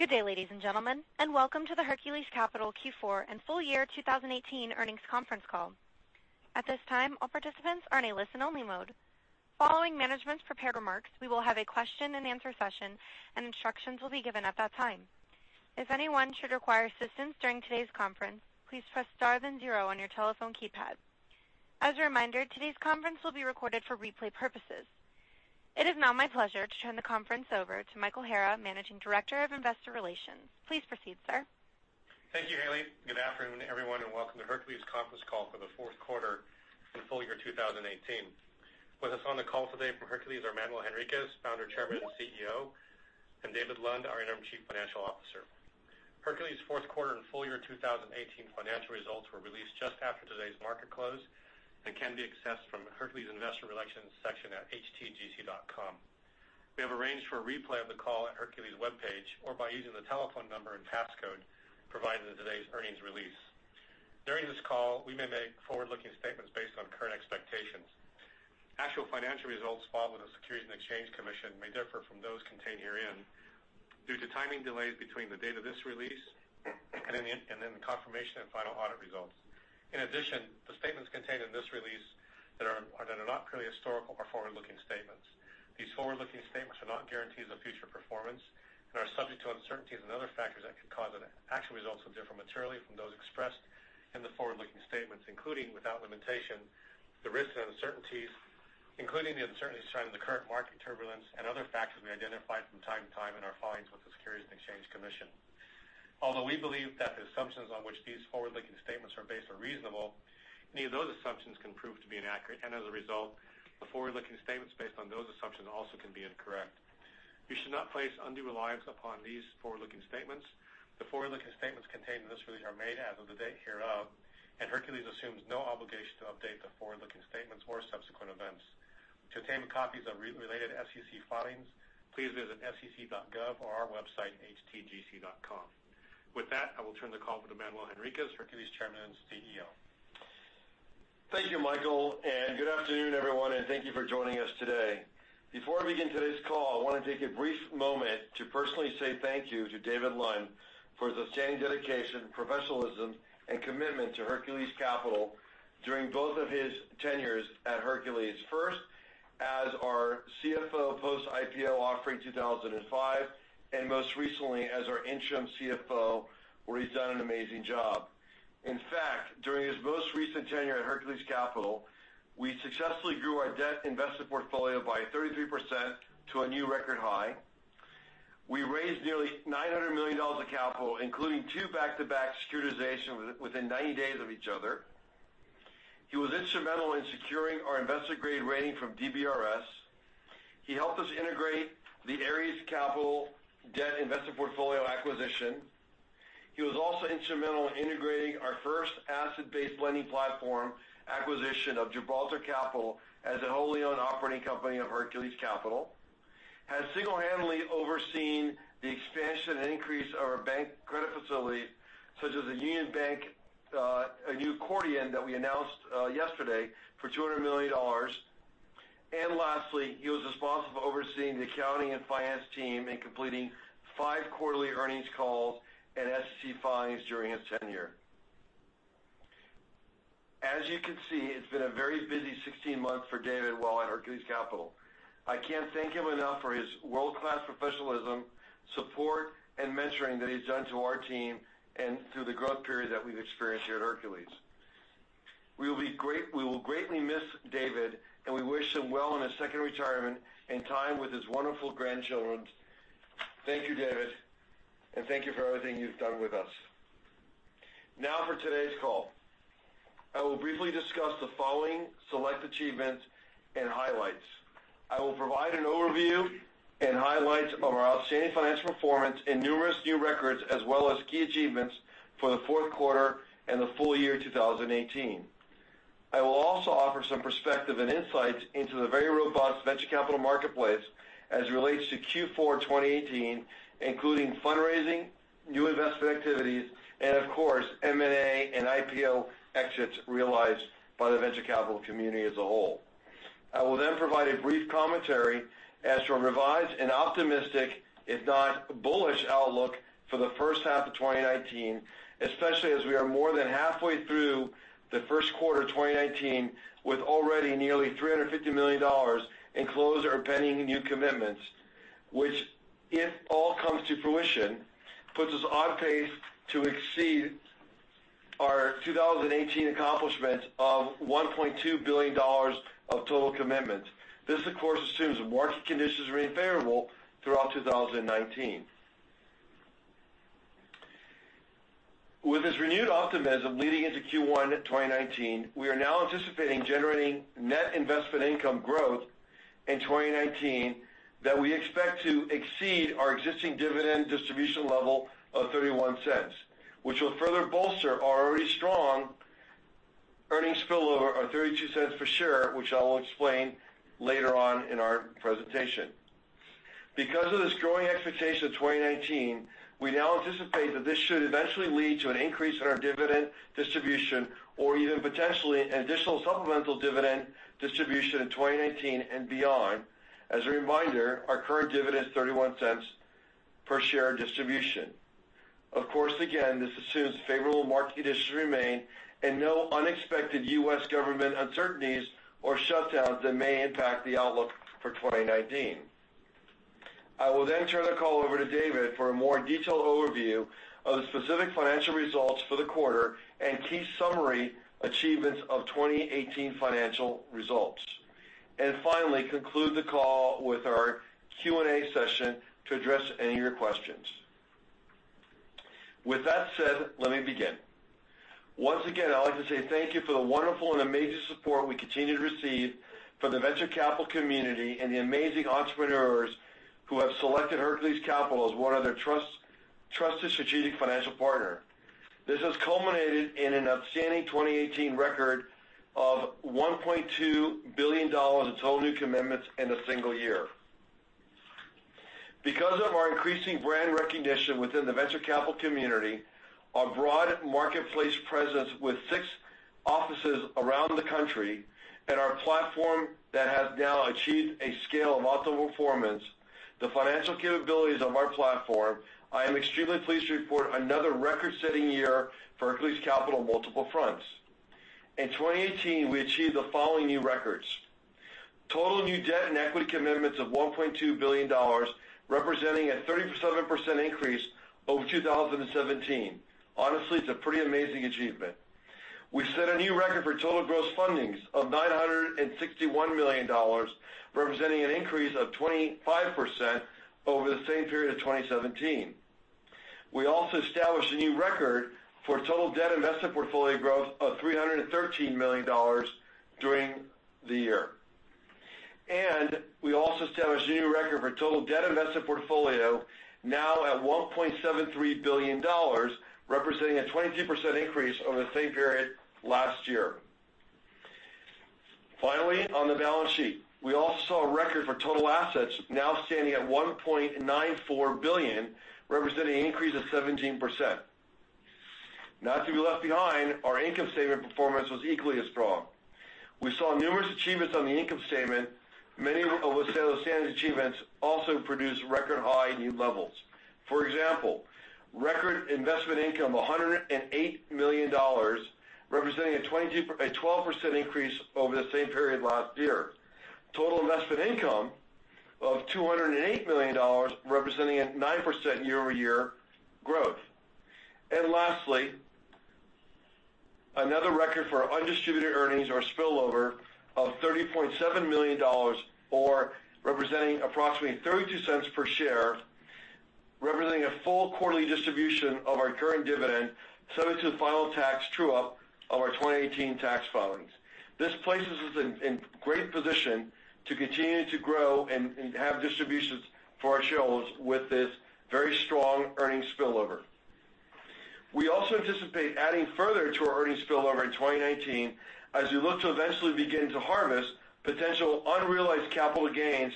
Good day, ladies and gentlemen, and welcome to the Hercules Capital Q4 and full year 2018 earnings conference call. At this time, all participants are in a listen-only mode. Following management's prepared remarks, we will have a question and answer session, and instructions will be given at that time. If anyone should require assistance during today's conference, please press star then zero on your telephone keypad. As a reminder, today's conference will be recorded for replay purposes. It is now my pleasure to turn the conference over to Michael Hara, Managing Director of Investor Relations. Please proceed, sir. Thank you, Hailey. Good afternoon, everyone, and welcome to Hercules conference call for the fourth quarter and full year 2018. With us on the call today from Hercules are Manuel Henriquez, Founder, Chairman, and CEO, and David Lund, our Interim Chief Financial Officer. Hercules fourth quarter and full year 2018 financial results were released just after today's market close and can be accessed from Hercules investor relations section at htgc.com. We have arranged for a replay of the call at Hercules webpage or by using the telephone number and passcode provided in today's earnings release. During this call, we may make forward-looking statements based on current expectations. Actual financial results filed with the Securities and Exchange Commission may differ from those contained herein due to timing delays between the date of this release and then the confirmation of final audit results. In addition, the statements contained in this release that are not clearly historical are forward-looking statements. These forward-looking statements are not guarantees of future performance and are subject to uncertainties and other factors that could cause the actual results to differ materially from those expressed in the forward-looking statements, including, without limitation, the risks and uncertainties, including the uncertainties surrounding the current market turbulence and other factors we identify from time to time in our filings with the Securities and Exchange Commission. Although we believe that the assumptions on which these forward-looking statements are based are reasonable, any of those assumptions can prove to be inaccurate, and as a result, the forward-looking statements based on those assumptions also can be incorrect. You should not place undue reliance upon these forward-looking statements. The forward-looking statements contained in this release are made as of the date hereof, and Hercules assumes no obligation to update the forward-looking statements or subsequent events. To obtain copies of related SEC filings, please visit sec.gov or our website, htgc.com. With that, I will turn the call over to Manuel Henriquez, Hercules Chairman and CEO. Thank you, Michael. Good afternoon, everyone, and thank you for joining us today. Before I begin today's call, I want to take a brief moment to personally say thank you to David Lund for his outstanding dedication, professionalism, and commitment to Hercules Capital during both of his tenures at Hercules. First, as our CFO post-IPO offering 2005, and most recently as our Interim CFO, where he's done an amazing job. In fact, during his most recent tenure at Hercules Capital, we successfully grew our debt investment portfolio by 33% to a new record high. We raised nearly $900 million of capital, including two back-to-back securitizations within 90 days of each other. He was instrumental in securing our investor grade rating from DBRS. He helped us integrate the Ares Capital debt investment portfolio acquisition. He was also instrumental in integrating our first asset-based lending platform acquisition of Gibraltar Business Capital as a wholly owned operating company of Hercules Capital, has single-handedly overseen the expansion and increase of our bank credit facility, such as the Union Bank, a new accordion that we announced yesterday for $200 million. Lastly, he was responsible for overseeing the accounting and finance team in completing five quarterly earnings calls and SEC filings during his tenure. As you can see, it's been a very busy 16 months for David while at Hercules Capital. I can't thank him enough for his world-class professionalism, support, and mentoring that he's done to our team and through the growth period that we've experienced here at Hercules. We will greatly miss David, and we wish him well in his second retirement and time with his wonderful grandchildren. Thank you, David. Thank you for everything you've done with us. Now for today's call. I will briefly discuss the following select achievements and highlights. I will provide an overview and highlights of our outstanding financial performance and numerous new records, as well as key achievements for the fourth quarter and the full year 2018. I will also offer some perspective and insights into the very robust venture capital marketplace as it relates to Q4 2018, including fundraising, new investment activities, and of course, M&A and IPO exits realized by the venture capital community as a whole. I will provide a brief commentary as to a revised and optimistic, if not bullish outlook for the first half of 2019, especially as we are more than halfway through the first quarter 2019 with already nearly $350 million in closed or pending new commitments, which, if all comes to fruition, puts us on pace to exceed our 2018 accomplishments of $1.2 billion of total commitments. This, of course, assumes market conditions remain favorable throughout 2019. With this renewed optimism leading into Q1 2019, we are now anticipating generating net investment income growth in 2019 that we expect to exceed our existing dividend distribution level of $0.31, which will further bolster our already strong earnings spillover of $0.32 per share, which I will explain later on in our presentation. Because of this growing expectation of 2019, we now anticipate that this should eventually lead to an increase in our dividend distribution or even potentially an additional supplemental dividend distribution in 2019 and beyond. As a reminder, our current dividend is $0.31 per share distribution. Of course, again, this assumes favorable market conditions remain and no unexpected U.S. government uncertainties or shutdowns that may impact the outlook for 2019. I will then turn the call over to David for a more detailed overview of the specific financial results for the quarter and key summary achievements of 2018 financial results. Finally, conclude the call with our Q&A session to address any of your questions. With that said, let me begin. Once again, I'd like to say thank you for the wonderful and amazing support we continue to receive from the venture capital community and the amazing entrepreneurs who have selected Hercules Capital as one of their trusted strategic financial partner. This has culminated in an outstanding 2018 record of $1.2 billion in total new commitments in a single year. Because of our increasing brand recognition within the venture capital community, our broad marketplace presence with six offices around the country, and our platform that has now achieved a scale of optimal performance, the financial capabilities of our platform, I am extremely pleased to report another record-setting year for Hercules Capital on multiple fronts. In 2018, we achieved the following new records. Total new debt and equity commitments of $1.2 billion, representing a 37% increase over 2017. Honestly, it's a pretty amazing achievement. We set a new record for total gross fundings of $961 million, representing an increase of 25% over the same period of 2017. We also established a new record for total debt investment portfolio growth of $313 million during the year. We also established a new record for total debt investment portfolio, now at $1.73 billion, representing a 22% increase over the same period last year. Finally, on the balance sheet, we also saw a record for total assets now standing at $1.94 billion, representing an increase of 17%. Not to be left behind, our income statement performance was equally as strong. We saw numerous achievements on the income statement. Many of those achievements also produced record high new levels. For example, record investment income, $108 million, representing a 12% increase over the same period last year. Total investment income of $208 million, representing a 9% year-over-year growth. Lastly, another record for our undistributed earnings or spillover of $30.7 million or representing approximately $0.32 per share, representing a full quarterly distribution of our current dividend, subject to the final tax true-up of our 2018 tax filings. This places us in great position to continue to grow and have distributions for our shareholders with this very strong earnings spillover. We also anticipate adding further to our earnings spillover in 2019, as we look to eventually begin to harvest potential unrealized capital gains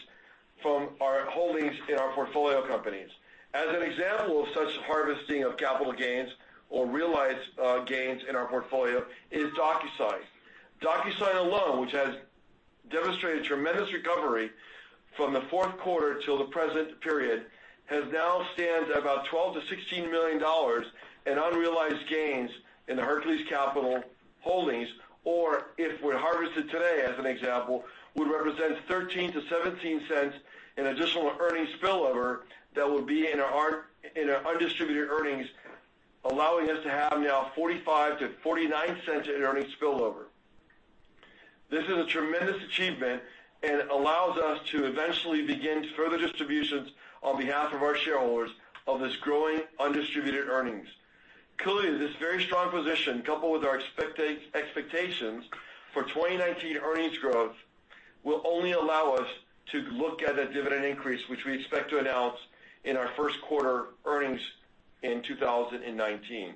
from our holdings in our portfolio companies. As an example of such harvesting of capital gains or realized gains in our portfolio is DocuSign. DocuSign alone, which has demonstrated tremendous recovery from the fourth quarter till the present period, has now stand at about $12 million-$16 million in unrealized gains in the Hercules Capital holdings. If were harvested today as an example, would represent $0.13 to $0.17 in additional earnings spillover that would be in our undistributed earnings, allowing us to have now $0.45 to $0.49 in earnings spillover. This is a tremendous achievement, and it allows us to eventually begin further distributions on behalf of our shareholders of this growing undistributed earnings. Clearly, this very strong position, coupled with our expectations for 2019 earnings growth, will only allow us to look at a dividend increase, which we expect to announce in our first quarter earnings in 2019.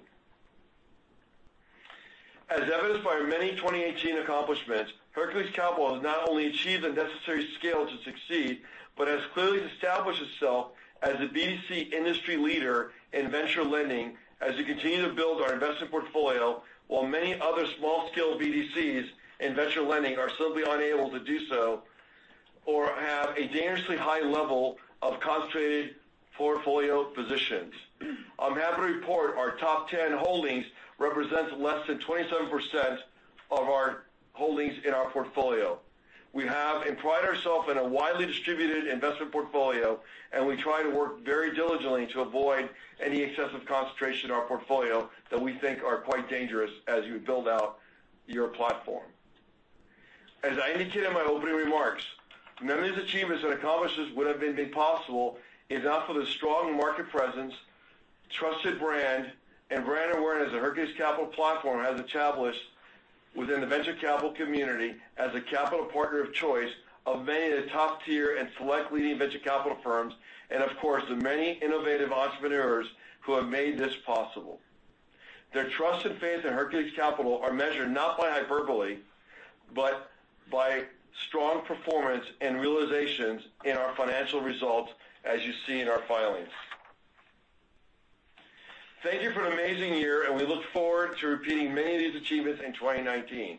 As evidenced by our many 2018 accomplishments, Hercules Capital has not only achieved the necessary scale to succeed but has clearly established itself as a BDC industry leader in venture lending as we continue to build our investment portfolio, while many other small-scale BDCs in venture lending are simply unable to do so or have a dangerously high level of concentrated portfolio positions. I'm happy to report our top 10 holdings represents less than 27% of our holdings in our portfolio. We have and pride ourself in a widely distributed investment portfolio, and we try to work very diligently to avoid any excessive concentration in our portfolio that we think are quite dangerous as you build out your platform. I indicated in my opening remarks, none of these achievements and accomplishments would have been possible if not for the strong market presence, trusted brand, and brand awareness the Hercules Capital platform has established within the venture capital community as a capital partner of choice of many of the top tier and select leading venture capital firms and, of course, the many innovative entrepreneurs who have made this possible. Their trust and faith in Hercules Capital are measured not by hyperbole, but by strong performance and realizations in our financial results, as you see in our filings. Thank you for an amazing year, and we look forward to repeating many of these achievements in 2019.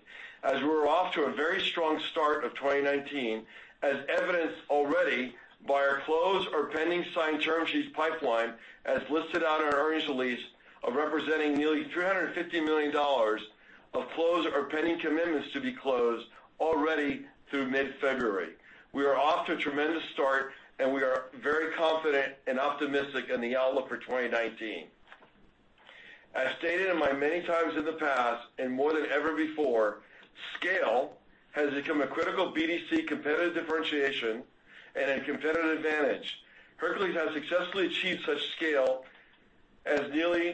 We're off to a very strong start of 2019, as evidenced already by our closed or pending signed term sheets pipeline, as listed on our earnings release, of representing nearly $350 million of close or pending commitments to be closed already through mid-February. We are off to a tremendous start, and we are very confident and optimistic in the outlook for 2019. Stated many times in the past, and more than ever before, scale has become a critical BDC competitive differentiation and a competitive advantage. Hercules has successfully achieved such scale with nearly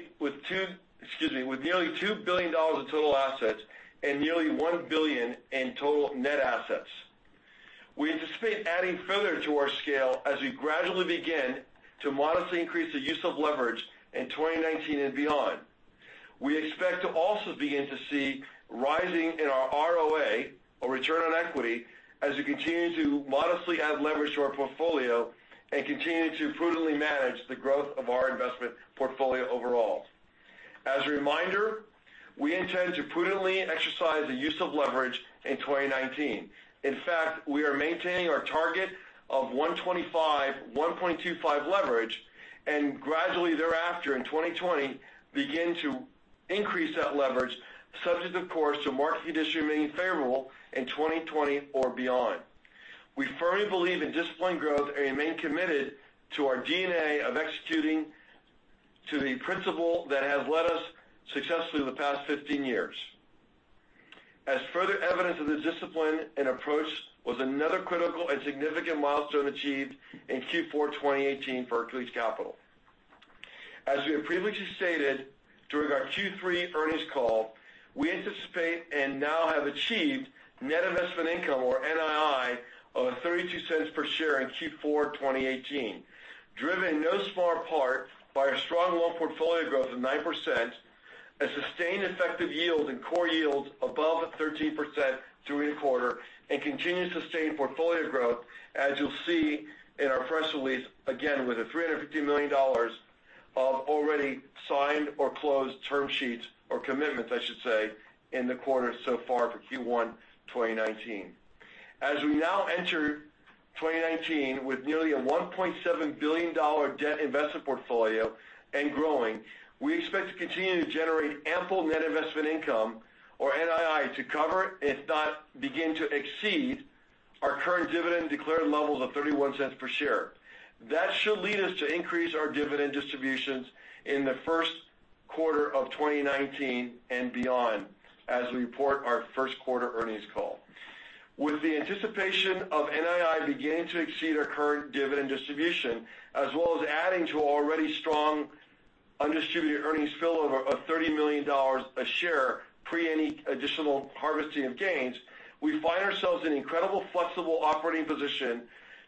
$2 billion in total assets and nearly $1 billion in total net assets. We anticipate adding further to our scale as we gradually begin to modestly increase the use of leverage in 2019 and beyond. We expect to also begin to see rising in our ROE, or return on equity, as we continue to modestly add leverage to our portfolio and continue to prudently manage the growth of our investment portfolio overall. As a reminder, we intend to prudently exercise the use of leverage in 2019. In fact, we are maintaining our target of 1.25 leverage, and gradually thereafter in 2020, begin to increase that leverage subject, of course, to market conditions remaining favorable in 2020 or beyond. We firmly believe in disciplined growth and remain committed to our DNA of executing to the principle that has led us successfully the past 15 years. As further evidence of the discipline and approach was another critical and significant milestone achieved in Q4 2018 for Hercules Capital. As we have previously stated during our Q3 earnings call, we anticipate and now have achieved net investment income, or NII, of $0.32 per share in Q4 2018, driven in no small part by our strong loan portfolio growth of 9%, a sustained effective yield and core yield above 13% through the quarter, and continued sustained portfolio growth, as you'll see in our press release, again, with a $350 million of already signed or closed term sheets or commitments, I should say, in the quarter so far for Q1 2019. As we now enter 2019 with nearly a $1.7 billion debt investment portfolio and growing, we expect to continue to generate ample net investment income, or NII, to cover, if not begin to exceed, our current dividend declared levels of $0.31 per share. That should lead us to increase our dividend distributions in the first quarter of 2019 and beyond as we report our first quarter earnings call. With the anticipation of NII beginning to exceed our current dividend distribution, as well as adding to our already strong undistributed earnings spillover of $30 million a share pre any additional harvesting of gains, we find ourselves in incredible flexible operating position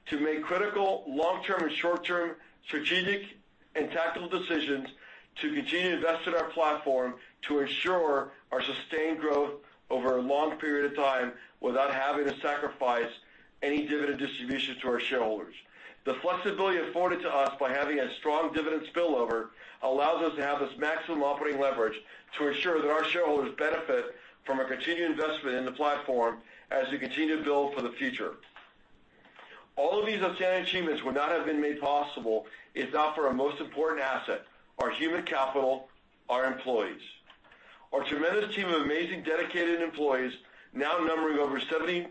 to make critical long-term and short-term strategic and tactical decisions to continue to invest in our platform to ensure our sustained growth over a long period of time without having to sacrifice any dividend distributions to our shareholders. The flexibility afforded to us by having a strong dividend spillover allows us to have this maximum operating leverage to ensure that our shareholders benefit from a continued investment in the platform as we continue to build for the future. All of these outstanding achievements would not have been made possible if not for our most important asset, our human capital, our employees. Our tremendous team of amazing dedicated employees, now numbering over 70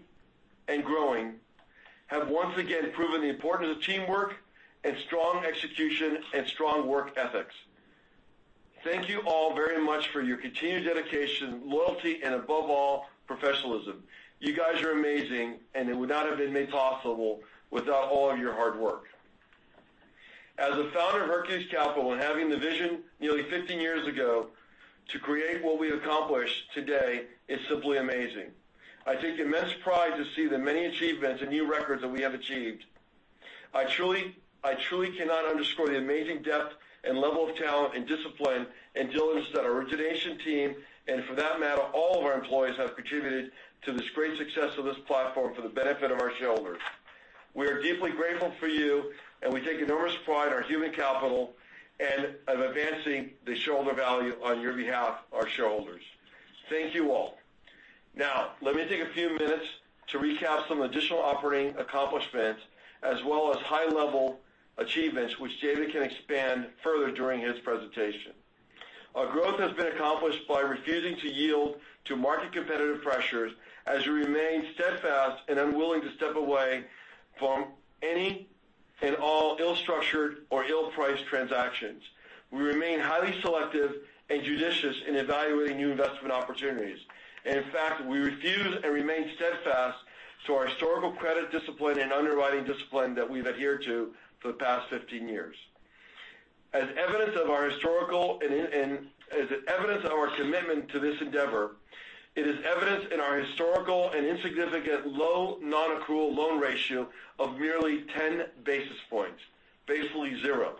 and growing, have once again proven the importance of teamwork and strong execution and strong work ethics. Thank you all very much for your continued dedication, loyalty, and above all, professionalism. You guys are amazing, and it would not have been made possible without all of your hard work. As the founder of Hercules Capital and having the vision nearly 15 years ago to create what we've accomplished today is simply amazing. I take immense pride to see the many achievements and new records that we have achieved. I truly cannot underscore the amazing depth and level of talent and discipline and diligence that our origination team, and for that matter, all of our employees, have contributed to this great success of this platform for the benefit of our shareholders. We are deeply grateful for you, and we take enormous pride in our human capital and of advancing the shareholder value on your behalf, our shareholders. Thank you all. Let me take a few minutes to recap some additional operating accomplishments as well as high-level achievements, which David can expand further during his presentation. Our growth has been accomplished by refusing to yield to market competitive pressures as we remain steadfast and unwilling to step away from any and all ill-structured or ill-priced transactions. We remain highly selective and judicious in evaluating new investment opportunities. In fact, we refuse and remain steadfast to our historical credit discipline and underwriting discipline that we've adhered to for the past 15 years. As evidence of our commitment to this endeavor, it is evidence in our historical and insignificant low non-accrual loan ratio of merely 10 basis points, basically zero.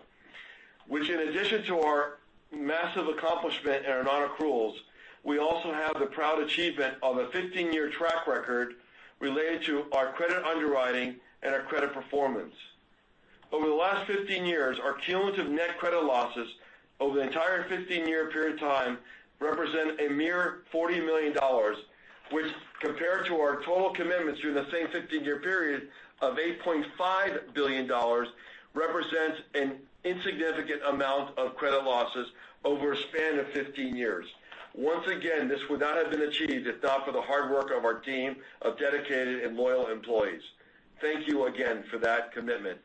In addition to our massive accomplishment in our non-accruals, we also have the proud achievement of a 15-year track record related to our credit underwriting and our credit performance. Over the last 15 years, our cumulative net credit losses over the entire 15-year period of time represent a mere $40 million. Compared to our total commitments during the same 15-year period of $8.5 billion, this represents an insignificant amount of credit losses over a span of 15 years. Once again, this would not have been achieved if not for the hard work of our team of dedicated and loyal employees. Thank you again for that commitment.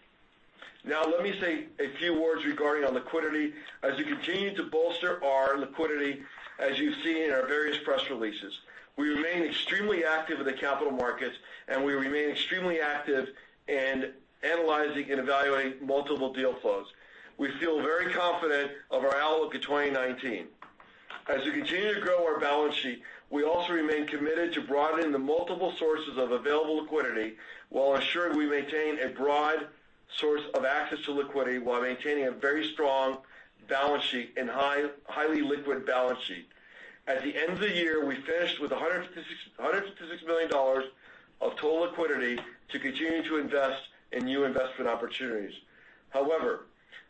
Let me say a few words regarding our liquidity, as we continue to bolster our liquidity, as you've seen in our various press releases. We remain extremely active in the capital markets, and we remain extremely active in analyzing and evaluating multiple deal flows. We feel very confident of our outlook in 2019. As we continue to grow our balance sheet, we also remain committed to broadening the multiple sources of available liquidity, while ensuring we maintain a broad source of access to liquidity while maintaining a very strong balance sheet and highly liquid balance sheet. At the end of the year, we finished with $156 million of total liquidity to continue to invest in new investment opportunities.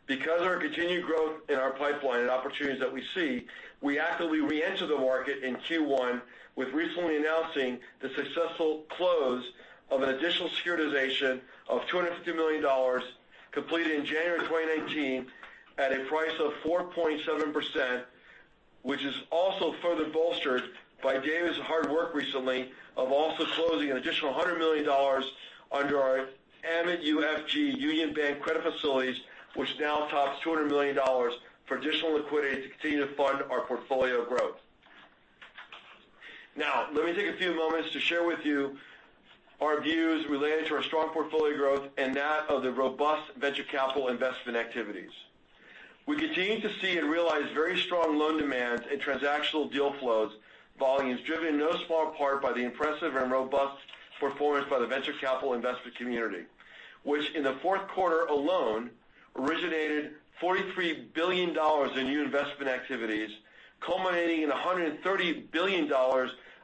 Because of our continued growth in our pipeline and opportunities that we see, we actively reentered the market in Q1, with recently announcing the successful close of an additional securitization of $250 million, completed in January 2019 at a price of 4.7%. This is also further bolstered by David's hard work recently of also closing an additional $100 million under our MUFG Union Bank credit facilities, which now tops $200 million for additional liquidity to continue to fund our portfolio growth. Let me take a few moments to share with you our views related to our strong portfolio growth and that of the robust venture capital investment activities. We continue to see and realize very strong loan demands and transactional deal flows, volumes driven in no small part by the impressive and robust performance by the venture capital investment community, which in the fourth quarter alone originated $43 billion in new investment activities, culminating in $130 billion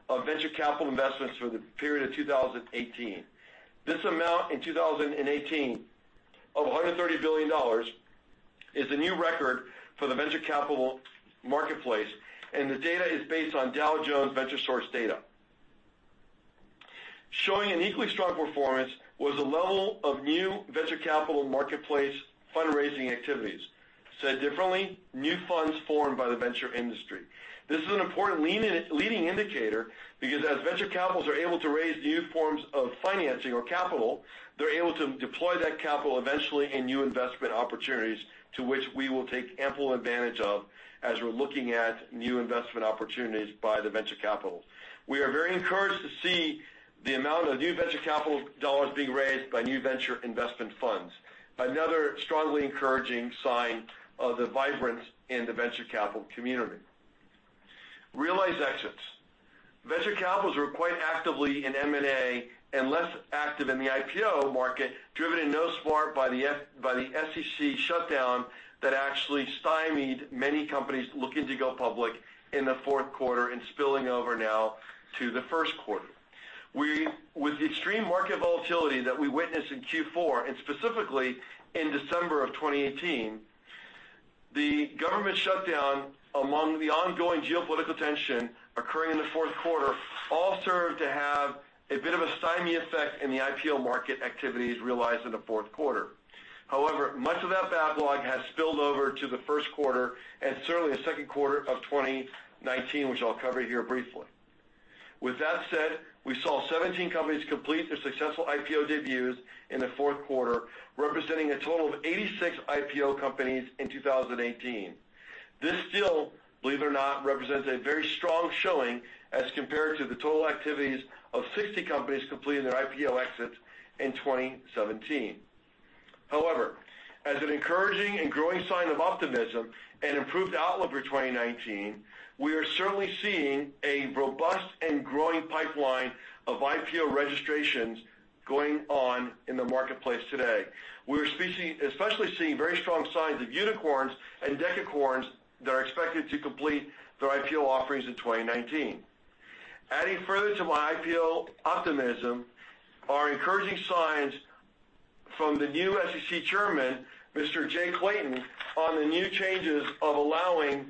of venture capital investments for the period of 2018. This amount in 2018 of $130 billion is a new record for the venture capital marketplace. The data is based on Dow Jones VentureSource data. Showing an equally strong performance was the level of new venture capital marketplace fundraising activities. Said differently, new funds formed by the venture industry. This is an important leading indicator because as venture capitals are able to raise new forms of financing or capital, they're able to deploy that capital eventually in new investment opportunities to which we will take ample advantage of as we're looking at new investment opportunities by the venture capital. We are very encouraged to see the amount of new venture capital dollars being raised by new venture investment funds. Another strongly encouraging sign of the vibrance in the venture capital community. Realized exits. Venture capitals were quite actively in M&A and less active in the IPO market, driven in no small part by the SEC shutdown that actually stymied many companies looking to go public in the fourth quarter and spilling over now to the first quarter. With the extreme market volatility that we witnessed in Q4 and specifically in December of 2018, the government shutdown, among the ongoing geopolitical tension occurring in the fourth quarter, all served to have a bit of a stymie effect in the IPO market activities realized in the fourth quarter. Much of that backlog has spilled over to the first quarter and certainly the second quarter of 2019, which I'll cover here briefly. With that said, we saw 17 companies complete their successful IPO debuts in the fourth quarter, representing a total of 86 IPO companies in 2018. This still, believe it or not, represents a very strong showing as compared to the total activities of 60 companies completing their IPO exits in 2017. As an encouraging and growing sign of optimism and improved outlook for 2019, we are certainly seeing a robust and growing pipeline of IPO registrations going on in the marketplace today. We're especially seeing very strong signs of unicorns and decacorns that are expected to complete their IPO offerings in 2019. Adding further to my IPO optimism are encouraging signs from the new SEC Chairman, Mr. Jay Clayton, on the new changes of allowing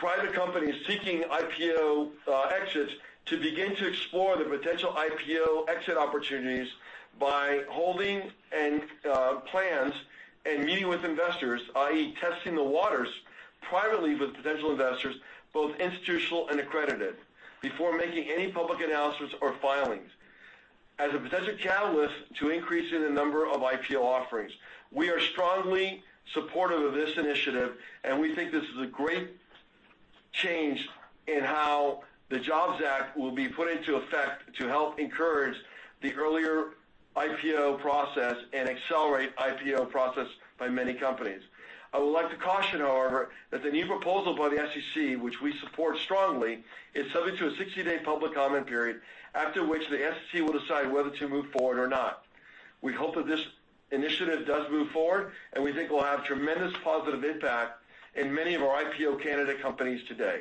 private companies seeking IPO exits to begin to explore the potential IPO exit opportunities by holding plans and meeting with investors, i.e., testing the waters privately with potential investors, both institutional and accredited, before making any public announcements or filings as a potential catalyst to increasing the number of IPO offerings. We are strongly supportive of this initiative, and we think this is a great change in how the JOBS Act will be put into effect to help encourage the earlier IPO process and accelerate IPO process by many companies. I would like to caution, however, that the new proposal by the SEC, which we support strongly, is subject to a 60-day public comment period, after which the SEC will decide whether to move forward or not. We hope that this initiative does move forward, and we think it will have a tremendous positive impact in many of our IPO candidate companies today.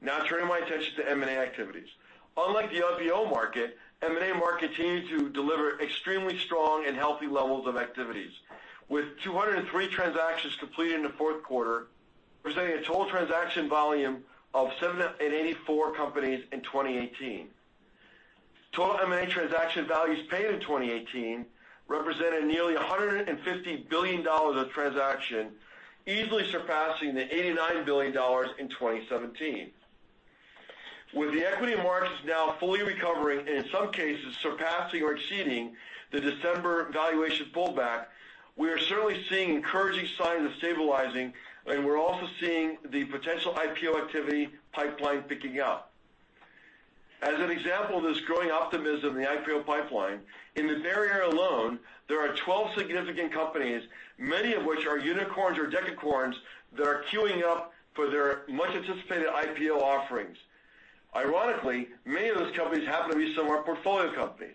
Now turning my attention to M&A activities. Unlike the IPO market, M&A market continued to deliver extremely strong and healthy levels of activities. With 203 transactions completed in the fourth quarter, representing a total transaction volume of 784 companies in 2018. Total M&A transaction values paid in 2018 represented nearly $150 billion of transaction, easily surpassing the $89 billion in 2017. With the equity markets now fully recovering, and in some cases surpassing or exceeding the December valuation pullback, we are certainly seeing encouraging signs of stabilizing, and we're also seeing the potential IPO activity pipeline picking up. As an example of this growing optimism in the IPO pipeline, in the Bay Area alone, there are 12 significant companies, many of which are unicorns or decacorns, that are queuing up for their much-anticipated IPO offerings. Ironically, many of those companies happen to be some of our portfolio companies.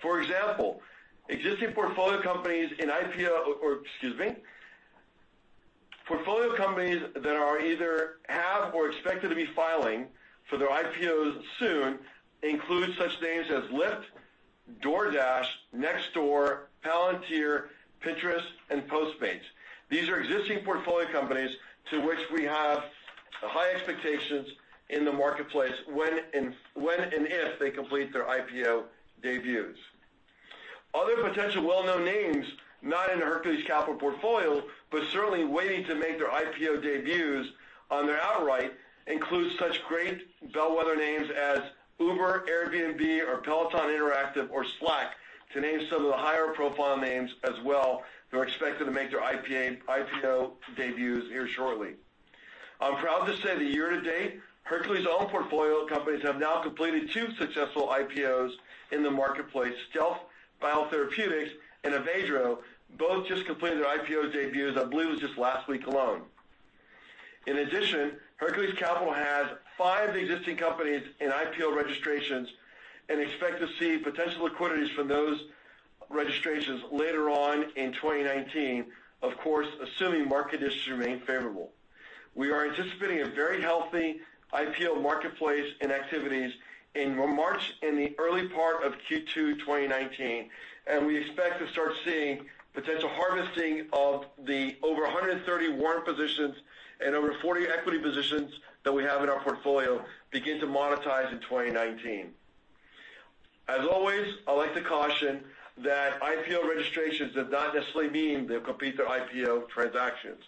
Portfolio companies that are either have or expected to be filing for their IPOs soon include such names as Lyft, DoorDash, Nextdoor, Palantir, Pinterest, and Postmates. These are existing portfolio companies to which we have high expectations in the marketplace when and if they complete their IPO debuts. Other potential well-known names, not in the Hercules Capital portfolio, but certainly waiting to make their IPO debuts on their outright, includes such great bellwether names as Uber, Airbnb, or Peloton Interactive, or Slack, to name some of the higher profile names as well, that are expected to make their IPO debuts here shortly. I'm proud to say that year-to-date, Hercules' own portfolio companies have now completed two successful IPOs in the marketplace. Stealth BioTherapeutics and Avedro both just completed their IPO debuts, I believe it was just last week alone. In addition, Hercules Capital has five existing companies in IPO registrations and expect to see potential liquidities from those registrations later on in 2019, of course, assuming market conditions remain favorable. We are anticipating a very healthy IPO marketplace and activities in March and the early part of Q2 2019, and we expect to start seeing potential harvesting of the over 130 warrant positions and over 40 equity positions that we have in our portfolio begin to monetize in 2019. As always, I'd like to caution that IPO registrations do not necessarily mean they'll complete their IPO transactions.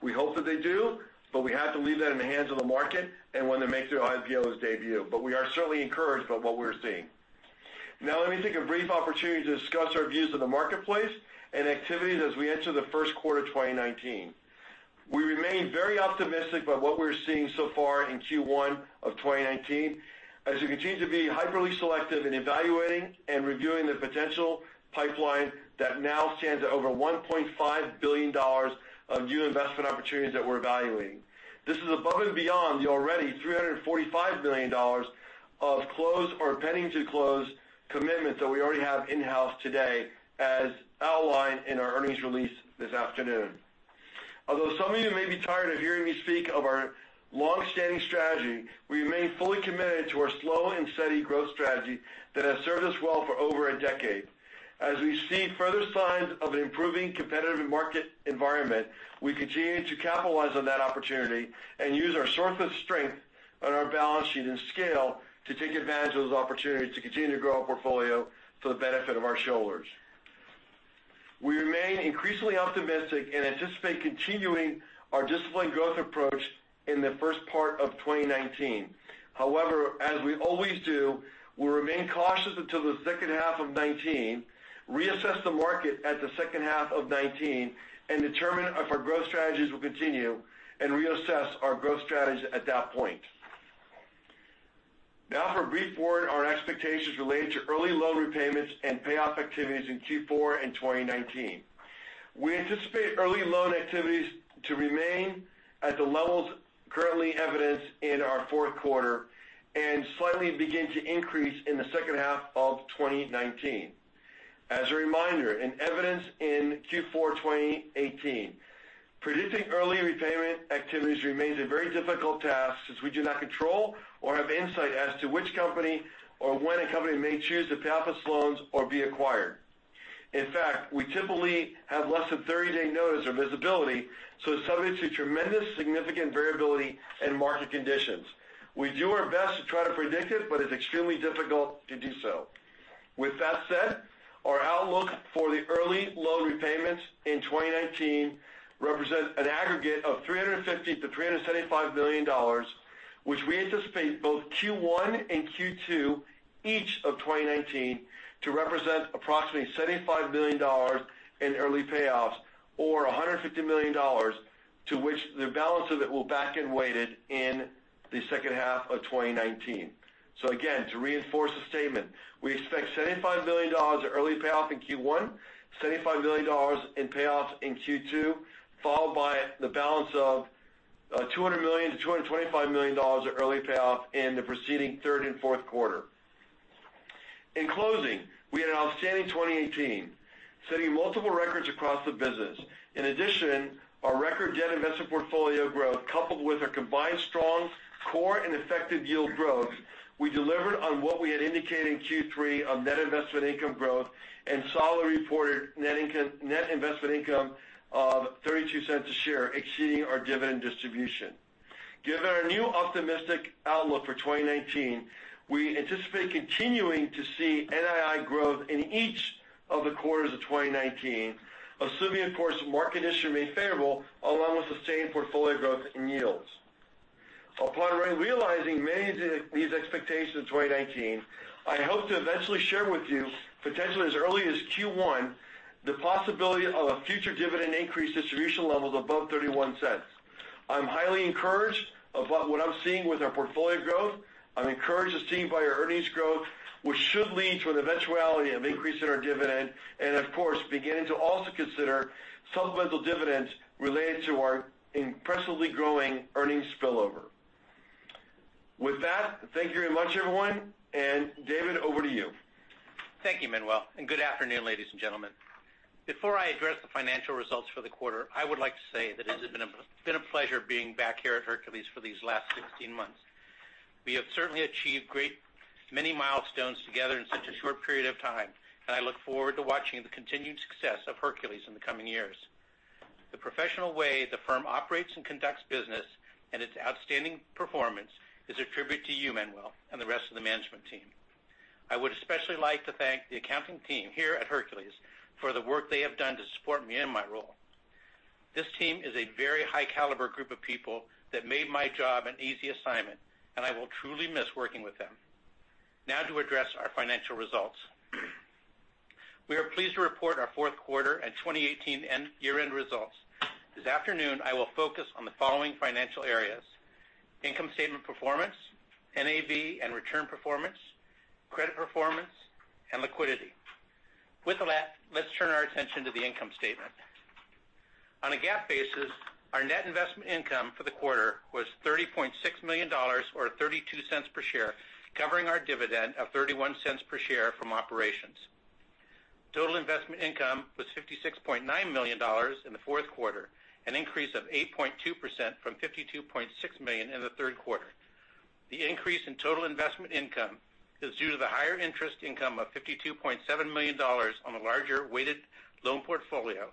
We hope that they do, but we have to leave that in the hands of the market and when they make their IPO's debut. We are certainly encouraged by what we're seeing. Now let me take a brief opportunity to discuss our views of the marketplace and activities as we enter the first quarter 2019. We remain very optimistic about what we're seeing so far in Q1 of 2019, as we continue to be hyperly selective in evaluating and reviewing the potential pipeline that now stands at over $1.5 billion of new investment opportunities that we're evaluating. This is above and beyond the already $345 billion of closed or pending to close commitments that we already have in-house today, as outlined in our earnings release this afternoon. Although some of you may be tired of hearing me speak of our long-standing strategy, we remain fully committed to our slow and steady growth strategy that has served us well for over a decade. As we see further signs of an improving competitive market environment, we continue to capitalize on that opportunity and use our source of strength on our balance sheet and scale to take advantage of those opportunities to continue to grow our portfolio for the benefit of our shareholders. We remain increasingly optimistic and anticipate continuing our disciplined growth approach in the first part of 2019. However, as we always do, we'll remain cautious until the second half of 2019, reassess the market at the second half of 2019, and determine if our growth strategies will continue, and reassess our growth strategy at that point. Now for a brief word on our expectations related to early loan repayments and payoff activities in Q4 and 2019. We anticipate early loan activities to remain at the levels currently evidenced in our fourth quarter and slightly begin to increase in the second half of 2019. As a reminder, and evidence in Q4 2018, predicting early repayment activities remains a very difficult task since we do not control or have insight as to which company or when a company may choose to pay off its loans or be acquired. In fact, we typically have less than 30-day notice or visibility, so it's subject to tremendous significant variability and market conditions. We do our best to try to predict it, but it's extremely difficult to do so. With that said, our outlook for the early loan repayments in 2019 represent an aggregate of $350 million-$375 million, which we anticipate both Q1 and Q2, each of 2019, to represent approximately $75 million in early payoffs, or $150 million, to which the balance of it will back-end weighted in the second half of 2019. Again, to reinforce the statement, we expect $75 million of early payoff in Q1, $75 million in payoffs in Q2, followed by the balance of $200 million-$225 million of early payoff in the proceeding third and fourth quarter. In closing, we had an outstanding 2018, setting multiple records across the business. In addition, our record net investment portfolio growth, coupled with our combined strong core and effective yield growth, we delivered on what we had indicated in Q3 on net investment income growth and solid reported net investment income of $0.32 a share, exceeding our dividend distribution. Given our new optimistic outlook for 2019, we anticipate continuing to see NII growth in each of the quarters of 2019, assuming, of course, market conditions remain favorable, along with sustained portfolio growth in yields. Upon realizing many these expectations in 2019, I hope to eventually share with you, potentially as early as Q1, the possibility of a future dividend increase distribution levels above $0.31. I'm highly encouraged about what I'm seeing with our portfolio growth. I'm encouraged as seeing by our earnings growth, which should lead to an eventuality of increase in our dividend, and of course, beginning to also consider supplemental dividends related to our impressively growing earnings spillover. With that, thank you very much, everyone, and David, over to you. Thank you, Manuel, and good afternoon, ladies and gentlemen. Before I address the financial results for the quarter, I would like to say that it has been a pleasure being back here at Hercules for these last 16 months. We have certainly achieved great many milestones together in such a short period of time, and I look forward to watching the continued success of Hercules in the coming years. The professional way the firm operates and conducts business and its outstanding performance is a tribute to you, Manuel, and the rest of the management team. I would especially like to thank the accounting team here at Hercules for the work they have done to support me in my role. This team is a very high caliber group of people that made my job an easy assignment, and I will truly miss working with them. Now to address our financial results. We are pleased to report our fourth quarter and 2018 year-end results. This afternoon, I will focus on the following financial areas: income statement performance, NAV and return performance, credit performance, and liquidity. With that, let's turn our attention to the income statement. On a GAAP basis, our net investment income for the quarter was $30.6 million, or $0.32 per share, covering our dividend of $0.31 per share from operations. Total investment income was $56.9 million in the fourth quarter, an increase of 8.2% from $52.6 million in the third quarter. The increase in total investment income is due to the higher interest income of $52.7 million on the larger weighted loan portfolio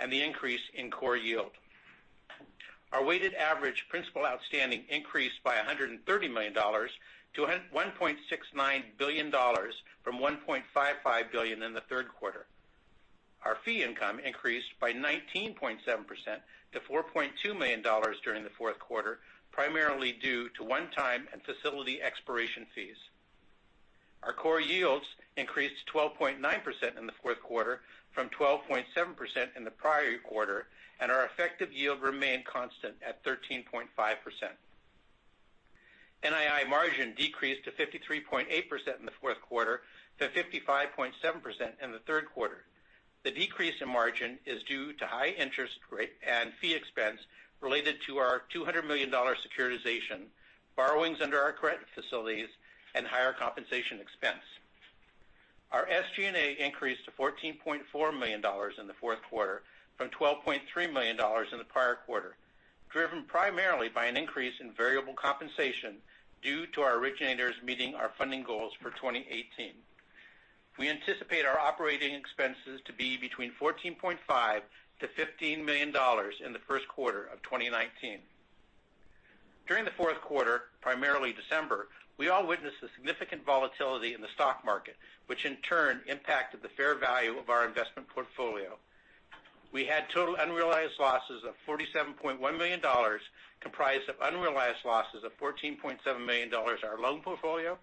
and the increase in core yield. Our weighted average principal outstanding increased by $130 million to $1.69 billion from $1.55 billion in the third quarter. Our fee income increased by 19.7% to $4.2 million during the fourth quarter, primarily due to one-time and facility expiration fees. Our core yields increased to 12.9% in the fourth quarter from 12.7% in the prior quarter, and our effective yield remained constant at 13.5%. NII margin decreased to 53.8% in the fourth quarter to 55.7% in the third quarter. The decrease in margin is due to high interest rate and fee expense related to our $200 million securitization, borrowings under our credit facilities, and higher compensation expense. Our SG&A increased to $14.4 million in the fourth quarter from $12.3 million in the prior quarter, driven primarily by an increase in variable compensation due to our originators meeting our funding goals for 2018. We anticipate our operating expenses to be between $14.5 million-$15 million in the first quarter of 2019. During the fourth quarter, primarily December, we all witnessed a significant volatility in the stock market, which in turn impacted the fair value of our investment portfolio. We had total unrealized losses of $47.1 million, comprised of unrealized losses of $14.7 million, our loan portfolio,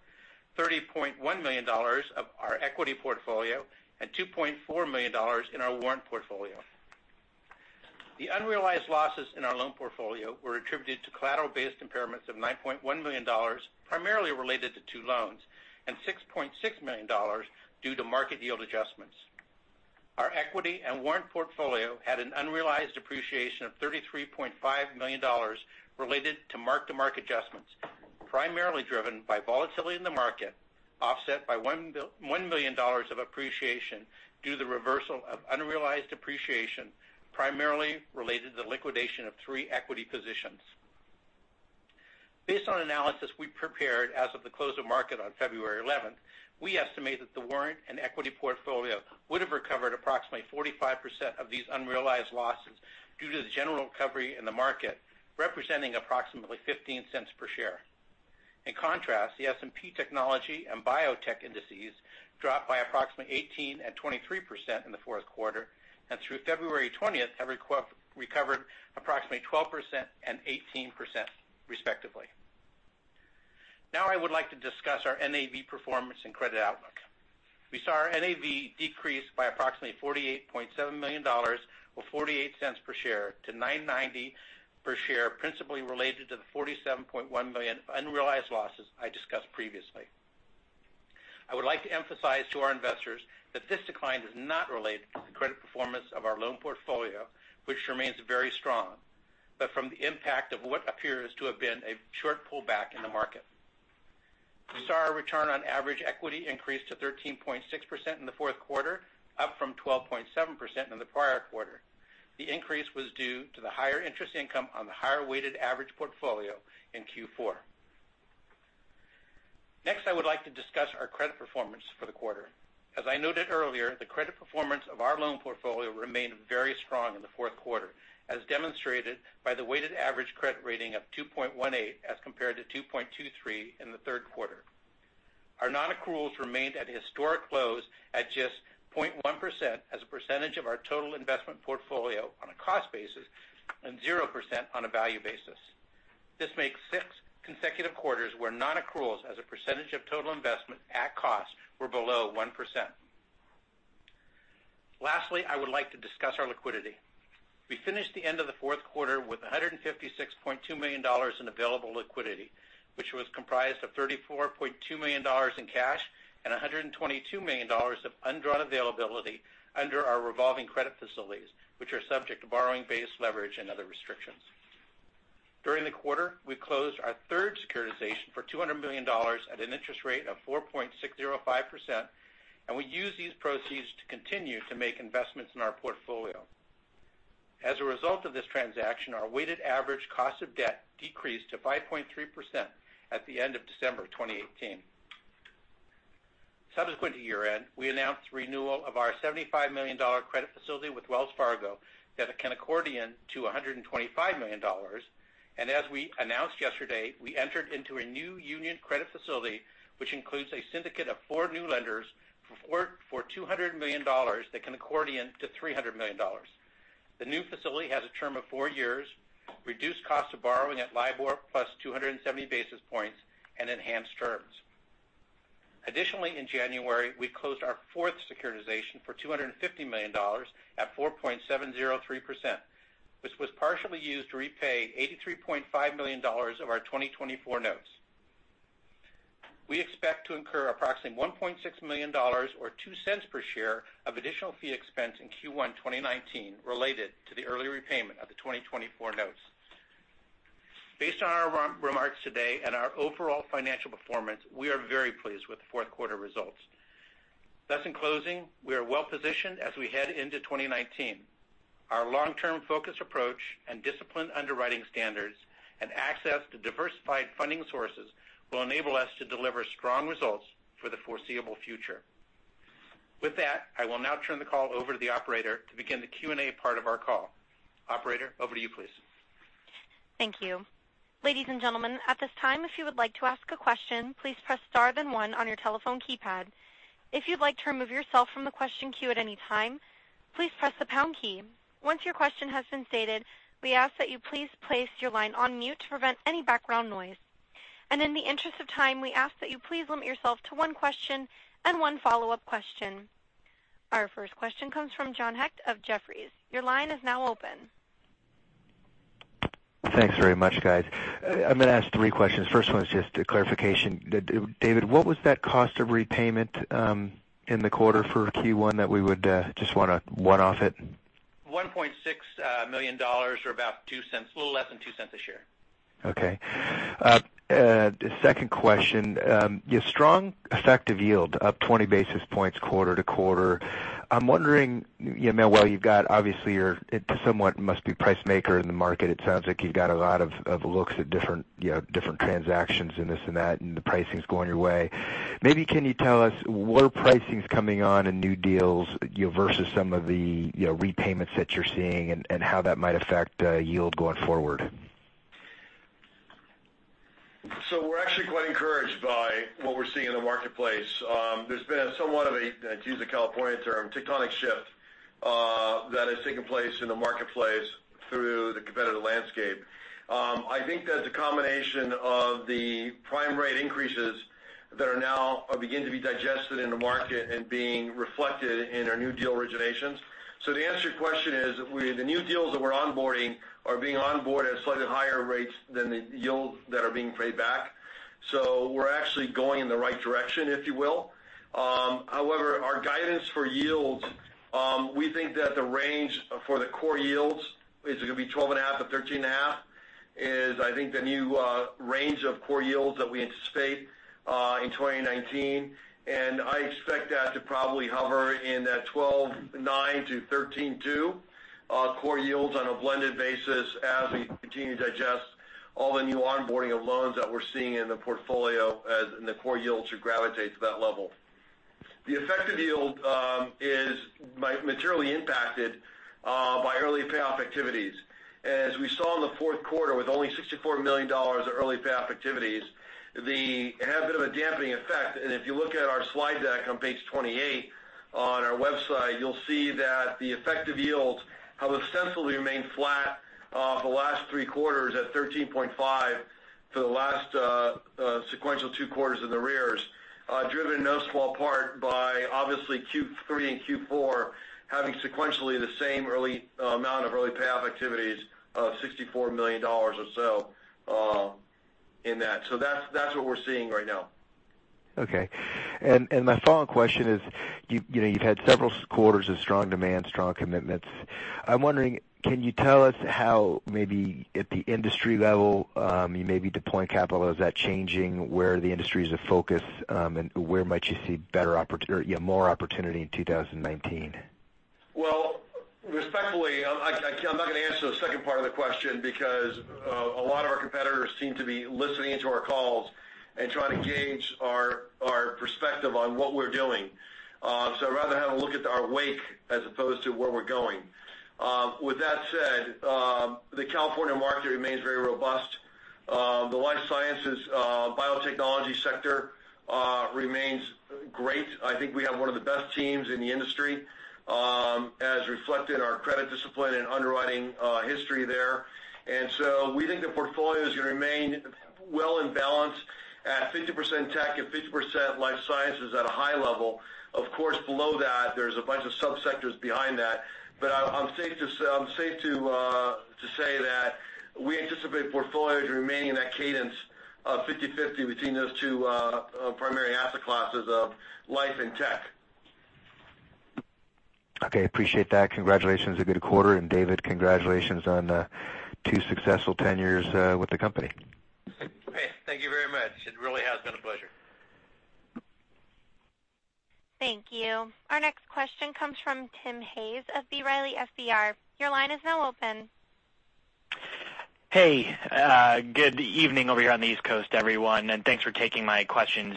$30.1 million of our equity portfolio, and $2.4 million in our warrant portfolio. The unrealized losses in our loan portfolio were attributed to collateral-based impairments of $9.1 million, primarily related to two loans, and $6.6 million due to market yield adjustments. Our equity and warrant portfolio had an unrealized appreciation of $33.5 million related to mark-to-mark adjustments, primarily driven by volatility in the market, offset by $1 million of appreciation due to the reversal of unrealized appreciation, primarily related to the liquidation of three equity positions. Based on analysis we prepared as of the close of market on February 11th, we estimate that the warrant and equity portfolio would have recovered approximately 45% of these unrealized losses due to the general recovery in the market, representing approximately $0.15 per share. In contrast, the S&P technology and biotech indices dropped by approximately 18% and 23% in the fourth quarter, and through February 20th, have recovered approximately 12% and 18%, respectively. I would like to discuss our NAV performance and credit outlook. We saw our NAV decrease by approximately $48.7 million, or $0.48 per share, to $9.90 per share, principally related to the $47.1 million unrealized losses I discussed previously. I would like to emphasize to our investors that this decline is not related to the credit performance of our loan portfolio, which remains very strong, but from the impact of what appears to have been a short pullback in the market. We saw our return on average equity increase to 13.6% in the fourth quarter, up from 12.7% in the prior quarter. The increase was due to the higher interest income on the higher weighted average portfolio in Q4. I would like to discuss our credit performance for the quarter. As I noted earlier, the credit performance of our loan portfolio remained very strong in the fourth quarter, as demonstrated by the weighted average credit rating of 2.18 as compared to 2.23 in the third quarter. Our non-accruals remained at historic lows at just 0.1% as a percentage of our total investment portfolio on a cost basis and 0% on a value basis. This makes six consecutive quarters where non-accruals as a percentage of total investment at cost were below 1%. Lastly, I would like to discuss our liquidity. We finished the end of the fourth quarter with $156.2 million in available liquidity, which was comprised of $34.2 million in cash and $122 million of undrawn availability under our revolving credit facilities, which are subject to borrowing base leverage and other restrictions. During the quarter, we closed our third securitization for $200 million at an interest rate of 4.605%. We used these proceeds to continue to make investments in our portfolio. As a result of this transaction, our weighted average cost of debt decreased to 5.3% at the end of December 2018. Subsequent to year-end, we announced renewal of our $75 million credit facility with Wells Fargo that can accordion to $125 million. As we announced yesterday, we entered into a new Union Bank credit facility, which includes a syndicate of four new lenders for $200 million that can accordion to $300 million. The new facility has a term of four years, reduced cost of borrowing at LIBOR plus 270 basis points, and enhanced terms. Additionally, in January, we closed our fourth securitization for $250 million at 4.703%, which was partially used to repay $83.5 million of our 2024 notes. We expect to incur approximately $1.6 million or $0.02 per share of additional fee expense in Q1 2019 related to the early repayment of the 2024 notes. Based on our remarks today and our overall financial performance, we are very pleased with the fourth quarter results. In closing, we are well positioned as we head into 2019. Our long-term focused approach and disciplined underwriting standards and access to diversified funding sources will enable us to deliver strong results for the foreseeable future. With that, I will now turn the call over to the operator to begin the Q&A part of our call. Operator, over to you, please. Thank you. Ladies and gentlemen, at this time, if you would like to ask a question, please press star then one on your telephone keypad. If you'd like to remove yourself from the question queue at any time, please press the pound key. Once your question has been stated, we ask that you please place your line on mute to prevent any background noise. In the interest of time, we ask that you please limit yourself to one question and one follow-up question. Our first question comes from John Hecht of Jefferies. Your line is now open. Thanks very much, guys. I'm going to ask three questions. First one is just a clarification. David, what was that cost of repayment in the quarter for Q1 that we would just want to one-off it? $1.6 million or about $0.02, a little less than $0.02 a share. Okay. The second question. You have strong effective yield up 20 basis points quarter-to-quarter. I'm wondering, Manuel, you've got obviously you're somewhat must be price maker in the market. It sounds like you've got a lot of looks at different transactions and this and that, and the pricing's going your way. Maybe can you tell us what pricing's coming on in new deals versus some of the repayments that you're seeing and how that might affect yield going forward? We're actually quite encouraged by what we're seeing in the marketplace. There's been somewhat of a, to use a California term, tectonic shift that has taken place in the marketplace through the competitive landscape. I think that the combination of the prime rate increases that are now beginning to be digested in the market and being reflected in our new deal originations. The answer to your question is the new deals that we're onboarding are being onboarded at slightly higher rates than the yields that are being paid back. We're actually going in the right direction, if you will. However, our guidance for yields, we think that the range for the core yields is going to be 12 and a half to 13 and a half, is I think the new range of core yields that we anticipate in 2019. I expect that to probably hover in that 12.9%-13.2% core yields on a blended basis as we continue to digest all the new onboarding of loans that we're seeing in the portfolio as the core yields should gravitate to that level. The effective yield is materially impacted by early payoff activities. As we saw in the fourth quarter with only $64 million of early payoff activities, they have a bit of a damping effect. If you look at our slide deck on page 28 on our website, you'll see that the effective yields have ostensibly remained flat the last three quarters at 13.5% for the last sequential two quarters in the rears, driven in no small part by obviously Q3 and Q4 having sequentially the same amount of early payoff activities of $64 million or so in that. That's what we're seeing right now. Okay. My follow-up question is, you've had several quarters of strong demand, strong commitments. I'm wondering, can you tell us how maybe at the industry level you may be deploying capital? Is that changing where the industry is a focus and where might you see more opportunity in 2019? Well, respectfully, I'm not going to answer the second part of the question because a lot of our competitors seem to be listening to our calls and trying to gauge our perspective on what we're doing. I'd rather have them look at our wake as opposed to where we're going. With that said, the California market remains very robust. The life sciences biotechnology sector remains great. I think we have one of the best teams in the industry, as reflected in our credit discipline and underwriting history there. We think the portfolio is going to remain well balanced at 50% tech and 50% life sciences at a high level. Of course, below that, there's a bunch of sub-sectors behind that. I'm safe to say that we anticipate portfolios remaining in that cadence of 50/50 between those two primary asset classes of life and tech. Okay. Appreciate that. Congratulations. A good quarter. David, congratulations on two successful tenures with the company. Hey, thank you very much. It really has been a pleasure. Thank you. Our next question comes from Tim Hayes of B. Riley FBR. Your line is now open. Hey, good evening over here on the East Coast, everyone. Thanks for taking my questions.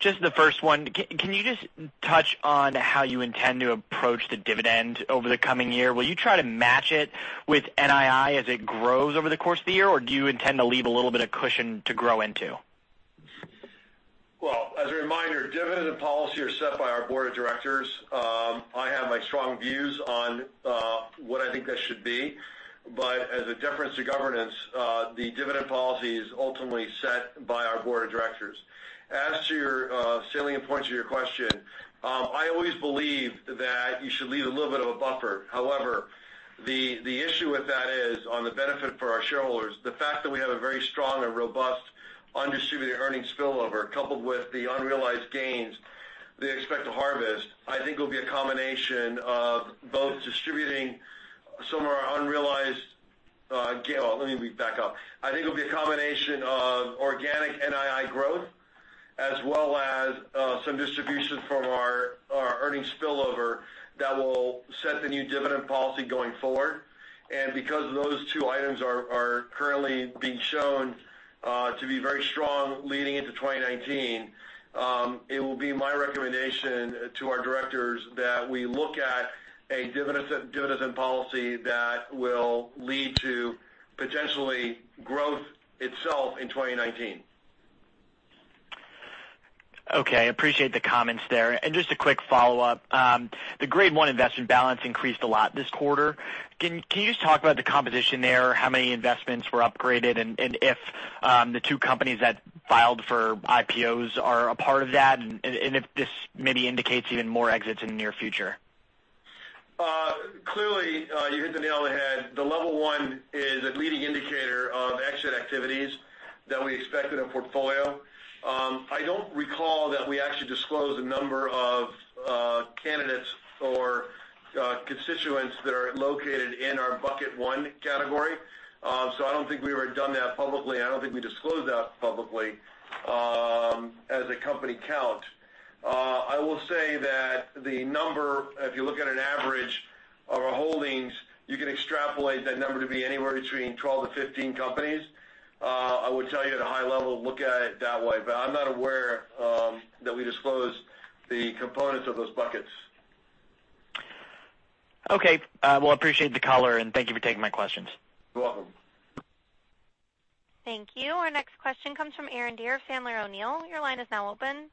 Just the first one, can you just touch on how you intend to approach the dividend over the coming year? Will you try to match it with NII as it grows over the course of the year, or do you intend to leave a little bit of cushion to grow into? Well, as a reminder, dividend and policy are set by our board of directors. I have my strong views on what I think that should be. As a deference to governance, the dividend policy is ultimately set by our board of directors. As to your salient point to your question, I always believe that you should leave a little bit of a buffer. However, the issue with that is on the benefit for our shareholders. The fact that we have a very strong and robust undistributed earnings spillover, coupled with the unrealized gains that we expect to harvest, I think will be a combination of both distributing some of our unrealized gain. Let me back up. I think it'll be a combination of organic NII growth as well as some distribution from our earnings spillover that will set the new dividend policy going forward. Because those two items are currently being shown to be very strong leading into 2019, it will be my recommendation to our directors that we look at a dividend policy that will lead to potentially growth itself in 2019. Okay. Appreciate the comments there. Just a quick follow-up. The grade 1 investment balance increased a lot this quarter. Can you just talk about the composition there, how many investments were upgraded, and if the two companies that filed for IPOs are a part of that, and if this maybe indicates even more exits in the near future? Clearly, you hit the nail on the head. The level 1 is a leading indicator of exit activities that we expect in a portfolio. I don't recall that we actually disclosed a number of candidates or constituents that are located in our bucket 1 category. I don't think we've ever done that publicly, and I don't think we disclosed that publicly as a company count. I will say that the number, if you look at an average of our holdings, you can extrapolate that number to be anywhere between 12 to 15 companies. I would tell you at a high level, look at it that way. I'm not aware that we disclosed the components of those buckets. Okay. Well, I appreciate the color, and thank you for taking my questions. You're welcome. Thank you. Our next question comes from Aaron Deer of Sandler O'Neill. Your line is now open.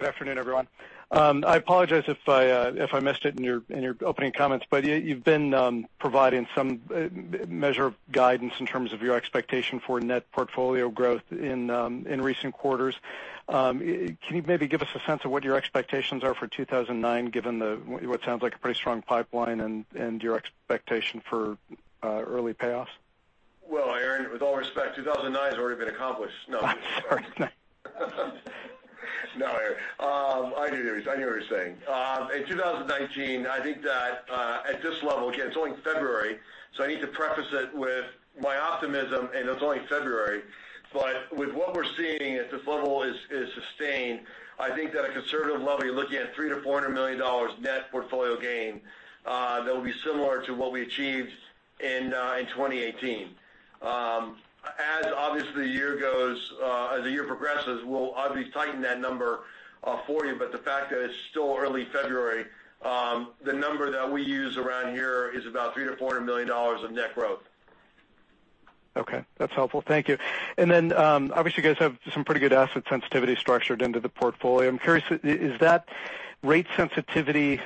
Good afternoon, everyone. I apologize if I missed it in your opening comments, you've been providing some measure of guidance in terms of your expectation for net portfolio growth in recent quarters. Can you maybe give us a sense of what your expectations are for 2009, given what sounds like a pretty strong pipeline and your expectation for early payoffs? Well, Aaron, with all respect, 2009 has already been accomplished. No. Sorry. No, Aaron. I knew what you were saying. In 2019, I think that at this level, again, it's only February, so I need to preface it with my optimism, and it's only February. With what we're seeing, if this level is sustained, I think that a conservative level, you're looking at $300 million-$400 million net portfolio gain that will be similar to what we achieved in 2018. As obviously the year progresses, we'll obviously tighten that number for you. The fact that it's still early February, the number that we use around here is about $300 million-$400 million of net growth. Okay. That's helpful. Thank you. Then, obviously, you guys have some pretty good asset sensitivity structured into the portfolio. I'm curious, is that rate sensitivity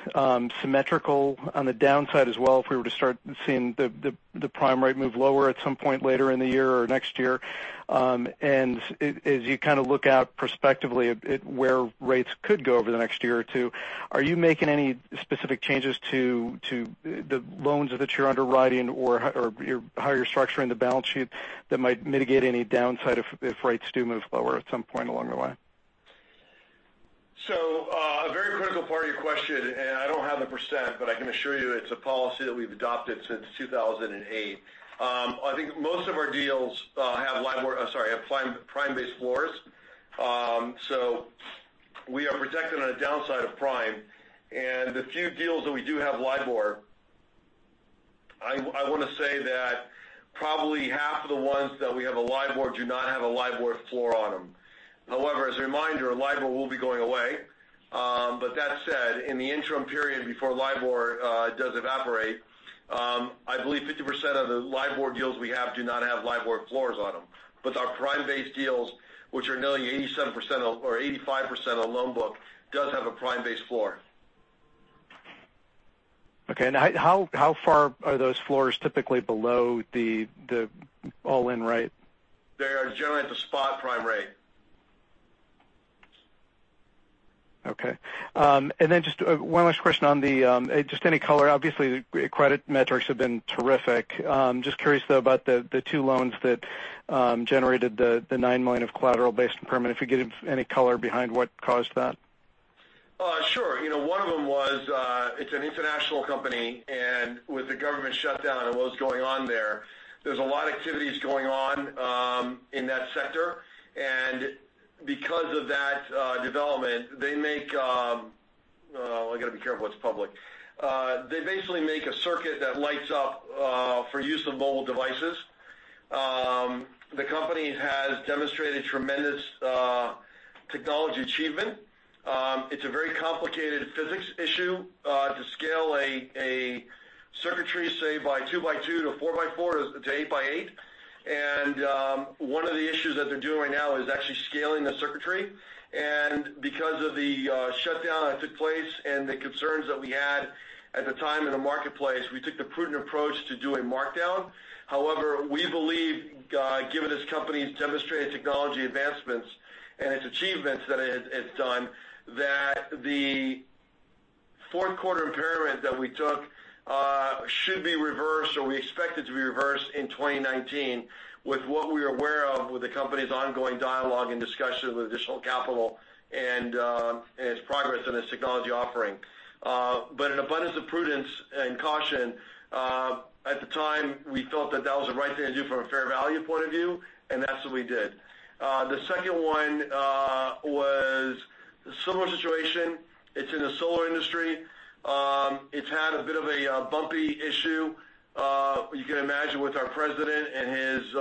symmetrical on the downside as well if we were to start seeing the prime rate move lower at some point later in the year or next year? As you kind of look out prospectively at where rates could go over the next year or two, are you making any specific changes to the loans that you're underwriting or how you're structuring the balance sheet that might mitigate any downside if rates do move lower at some point along the way? A very critical part of your question, I don't have the percent, I can assure you it's a policy that we've adopted since 2008. I think most of our deals have prime-based floors. We are protected on a downside of prime, the few deals that we do have LIBOR, I want to say that probably half of the ones that we have a LIBOR do not have a LIBOR floor on them. However, as a reminder, LIBOR will be going away. That said, in the interim period before LIBOR does evaporate, I believe 50% of the LIBOR deals we have do not have LIBOR floors on them. Our prime-based deals, which are nearly 87% or 85% of the loan book, does have a prime-based floor. Okay. How far are those floors typically below the all-in rate? They are generally at the spot prime rate. Okay. Just one last question on the just any color. Obviously, the credit metrics have been terrific. Just curious though about the two loans that generated the $9 million of collateral-based impairment. If you could give any color behind what caused that. Sure. One of them was, it's an international company, with the government shutdown and what was going on there's a lot of activities going on in that sector. Because of that development, they make I got to be careful what's public. They basically make a circuit that lights up for use of mobile devices. The company has demonstrated tremendous technology achievement. It's a very complicated physics issue to scale a circuitry, say, by two by two to four by four to eight by eight. One of the issues that they're doing right now is actually scaling the circuitry. Because of the shutdown that took place and the concerns that we had at the time in the marketplace, we took the prudent approach to do a markdown. We believe, given this company's demonstrated technology advancements and its achievements that it's done, that the fourth quarter impairment that we took should be reversed, or we expect it to be reversed in 2019 with what we are aware of with the company's ongoing dialogue and discussion with additional capital and its progress on its technology offering. An abundance of prudence and caution, at the time, we felt that that was the right thing to do from a fair value point of view, and that's what we did. The second one was a similar situation. It's in the solar industry. It's had a bit of a bumpy issue. You can imagine with our president and his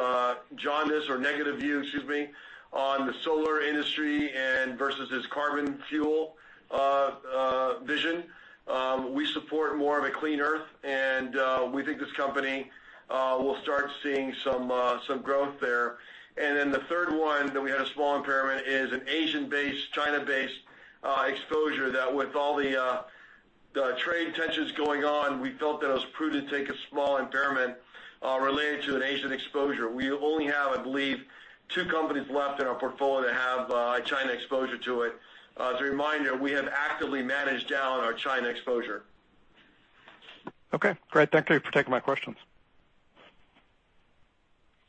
jaundice or negative view, excuse me, on the solar industry and versus his carbon fuel vision. We support more of a clean earth, and we think this company will start seeing some growth there. Then the third one that we had a small impairment is an Asian-based, China-based exposure that with all the trade tensions going on, we felt that it was prudent to take a small impairment related to an Asian exposure. We only have, I believe, two companies left in our portfolio that have China exposure to it. As a reminder, we have actively managed down our China exposure. Okay, great. Thank you for taking my questions.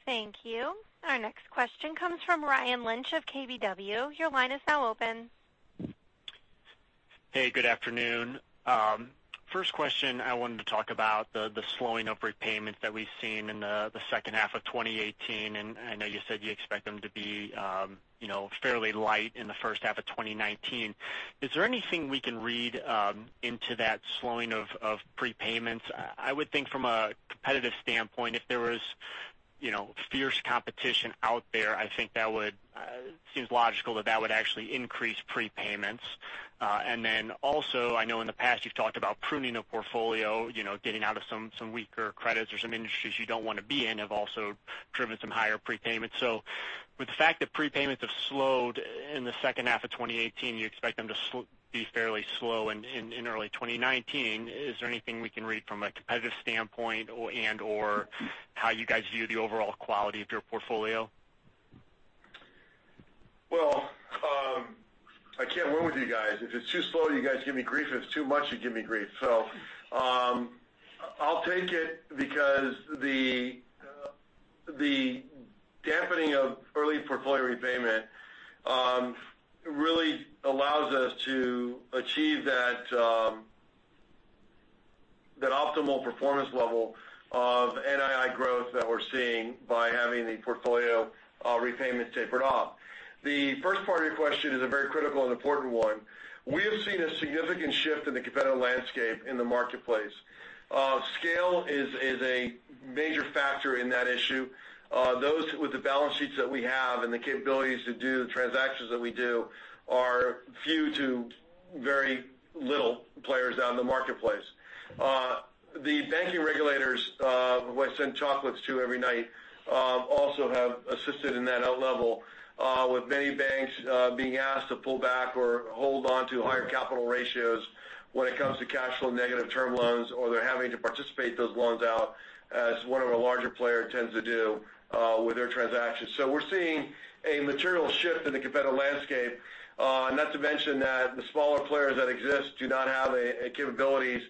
Thank you. Our next question comes from Ryan Lynch of KBW. Your line is now open. Hey, good afternoon. First question, I wanted to talk about the slowing of repayments that we've seen in the second half of 2018. I know you said you expect them to be fairly light in the first half of 2019. Is there anything we can read into that slowing of prepayments? I would think from a competitive standpoint, if there was fierce competition out there, it seems logical that that would actually increase prepayments. I know in the past you've talked about pruning a portfolio, getting out of some weaker credits or some industries you don't want to be in have also driven some higher prepayments. With the fact that prepayments have slowed in the second half of 2018, you expect them to be fairly slow in early 2019. Is there anything we can read from a competitive standpoint and/or how you guys view the overall quality of your portfolio? Well, I can't win with you guys. If it's too slow, you guys give me grief. If it's too much, you give me grief. I'll take it because the dampening of early portfolio repayment really allows us to achieve that optimal performance level of NII growth that we're seeing by having the portfolio repayments tapered off. The first part of your question is a very critical and important one. We have seen a significant shift in the competitive landscape in the marketplace. Scale is a major factor in that issue. Those with the balance sheets that we have and the capabilities to do the transactions that we do are few to very little players out in the marketplace. The banking regulators who I send chocolates to every night also have assisted in that out level with many banks being asked to pull back or hold on to higher capital ratios when it comes to cash flow negative term loans, or they're having to participate those loans out as one of the larger player tends to do with their transactions. We're seeing a material shift in the competitive landscape. Not to mention that the smaller players that exist do not have the capabilities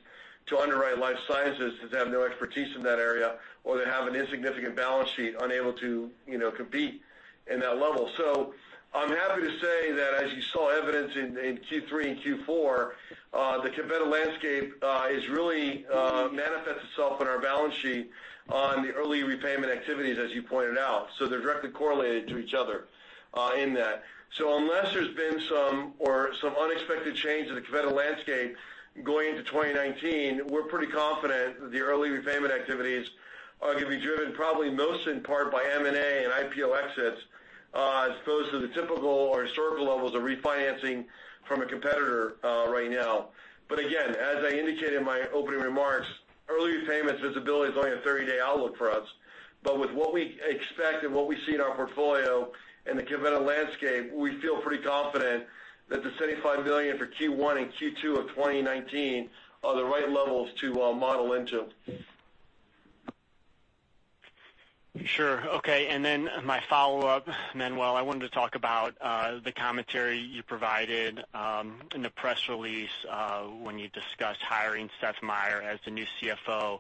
to underwrite life sciences that have no expertise in that area, or that have an insignificant balance sheet unable to compete in that level. I'm happy to say that as you saw evidence in Q3 and Q4, the competitor landscape has really manifested itself in our balance sheet on the early repayment activities, as you pointed out. They're directly correlated to each other in that. Unless there's been some unexpected change in the competitor landscape going into 2019, we're pretty confident that the early repayment activities are going to be driven probably most in part by M&A and IPO exits as opposed to the typical or historical levels of refinancing from a competitor right now. Again, as I indicated in my opening remarks, early repayments visibility is only a 30-day outlook for us. With what we expect and what we see in our portfolio in the competitor landscape, we feel pretty confident that the $75 million for Q1 and Q2 of 2019 are the right levels to model into. Sure. Okay, my follow-up, Manuel. I wanted to talk about the commentary you provided in the press release when you discussed hiring Seth Meyer as the new CFO.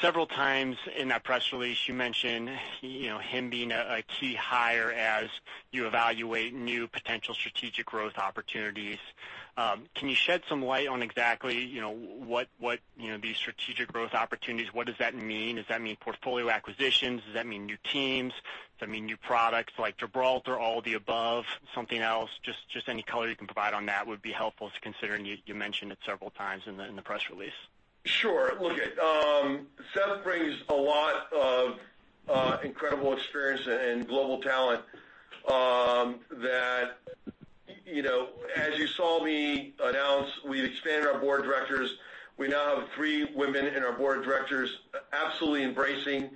Several times in that press release, you mentioned him being a key hire as you evaluate new potential strategic growth opportunities. Can you shed some light on exactly these strategic growth opportunities? What does that mean? Does that mean portfolio acquisitions? Does that mean new teams? Does that mean new products like Gibraltar? All the above? Something else? Just any color you can provide on that would be helpful, considering you mentioned it several times in the press release. Seth brings a lot of incredible experience and global talent that, as you saw me announce, we've expanded our board of directors. We now have three women in our board of directors, absolutely embracing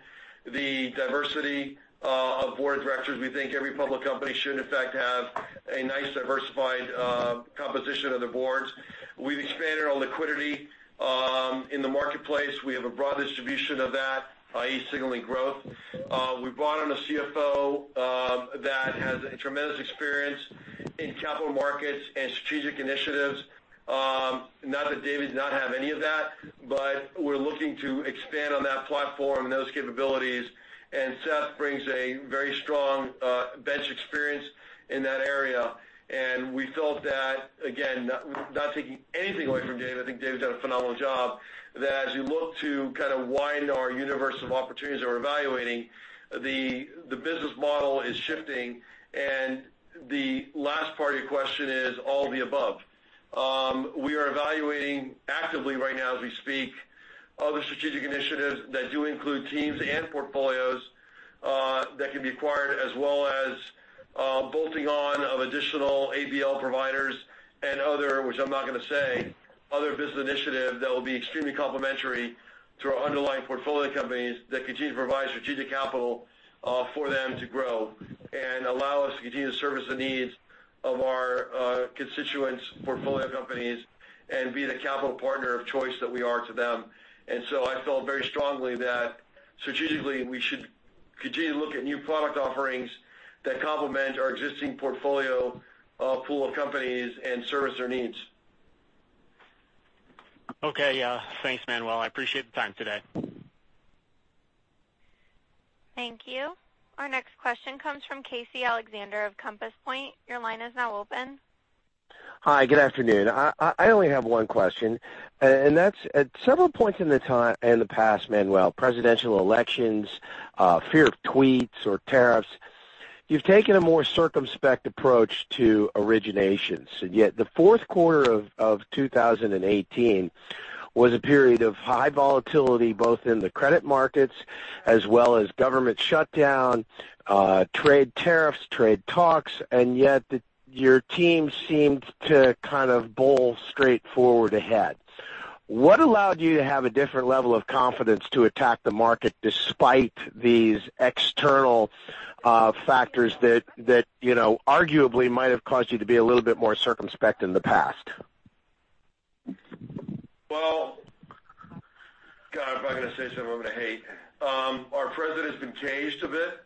the diversity of board of directors. We think every public company should in fact have a nice diversified composition of the boards. We've expanded our liquidity in the marketplace. We have a broad distribution of that, i.e., signaling growth. We brought on a CFO that has tremendous experience in capital markets and strategic initiatives. Not that David did not have any of that, we're looking to expand on that platform and those capabilities, Seth brings a very strong bench experience in that area. We felt that, again, not taking anything away from David, I think David's done a phenomenal job, that as you look to kind of widen our universe of opportunities that we're evaluating, the business model is shifting. The last part of your question is all of the above. We are evaluating actively right now as we speak, other strategic initiatives that do include teams and portfolios that can be acquired as well as bolting on of additional ABL providers and other, which I'm not going to say, other business initiatives that will be extremely complementary to our underlying portfolio companies that continue to provide strategic capital for them to grow and allow us to continue to service the needs of our constituents, portfolio companies, and be the capital partner of choice that we are to them. I felt very strongly that strategically we should continue to look at new product offerings that complement our existing portfolio pool of companies and service their needs. Okay. Yeah. Thanks, Manuel. I appreciate the time today. Thank you. Our next question comes from Casey Alexander of Compass Point. Your line is now open. Hi, good afternoon. I only have one question, and that's at several points in the time in the past, Manuel, presidential elections, fear of tweets or tariffs. You've taken a more circumspect approach to originations, and yet the fourth quarter of 2018 was a period of high volatility, both in the credit markets as well as government shutdown, trade tariffs, trade talks, and yet your team seemed to kind of bowl straight forward ahead. What allowed you to have a different level of confidence to attack the market despite these external factors that arguably might have caused you to be a little bit more circumspect in the past? Well, God, if I'm going to say something I'm going to hate. Our president's been caged a bit.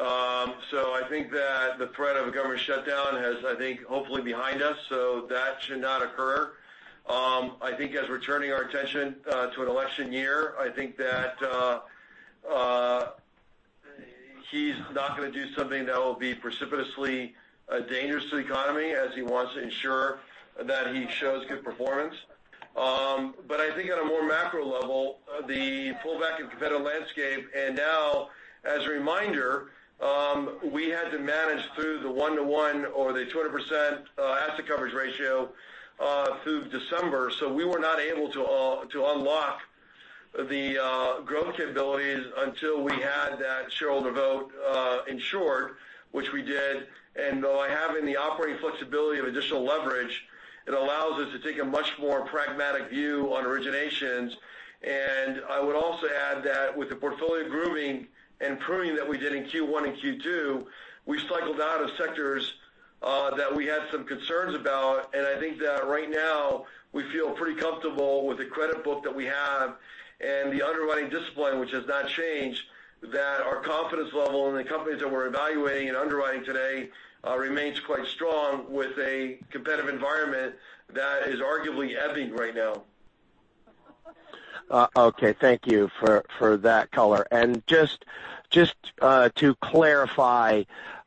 I think that the threat of a government shutdown has, I think, hopefully behind us. That should not occur. I think as we're turning our attention to an election year, I think that he's not going to do something that will be precipitously dangerous to the economy as he wants to ensure that he shows good performance. I think on a more macro level, the pullback in competitor landscape. Now, as a reminder, we had to manage through the one-to-one or the 200% asset coverage ratio through December. We were not able to unlock the growth capabilities until we had that shareholder vote insured, which we did. By having the operating flexibility of additional leverage, it allows us to take a much more pragmatic view on originations. I would also add that with the portfolio grooming and pruning that we did in Q1 and Q2, we cycled out of sectors that we had some concerns about. I think that right now we feel pretty comfortable with the credit book that we have. The underwriting discipline, which has not changed, that our confidence level in the companies that we're evaluating and underwriting today remains quite strong with a competitive environment that is arguably ebbing right now. Okay. Thank you for that color. Just to clarify,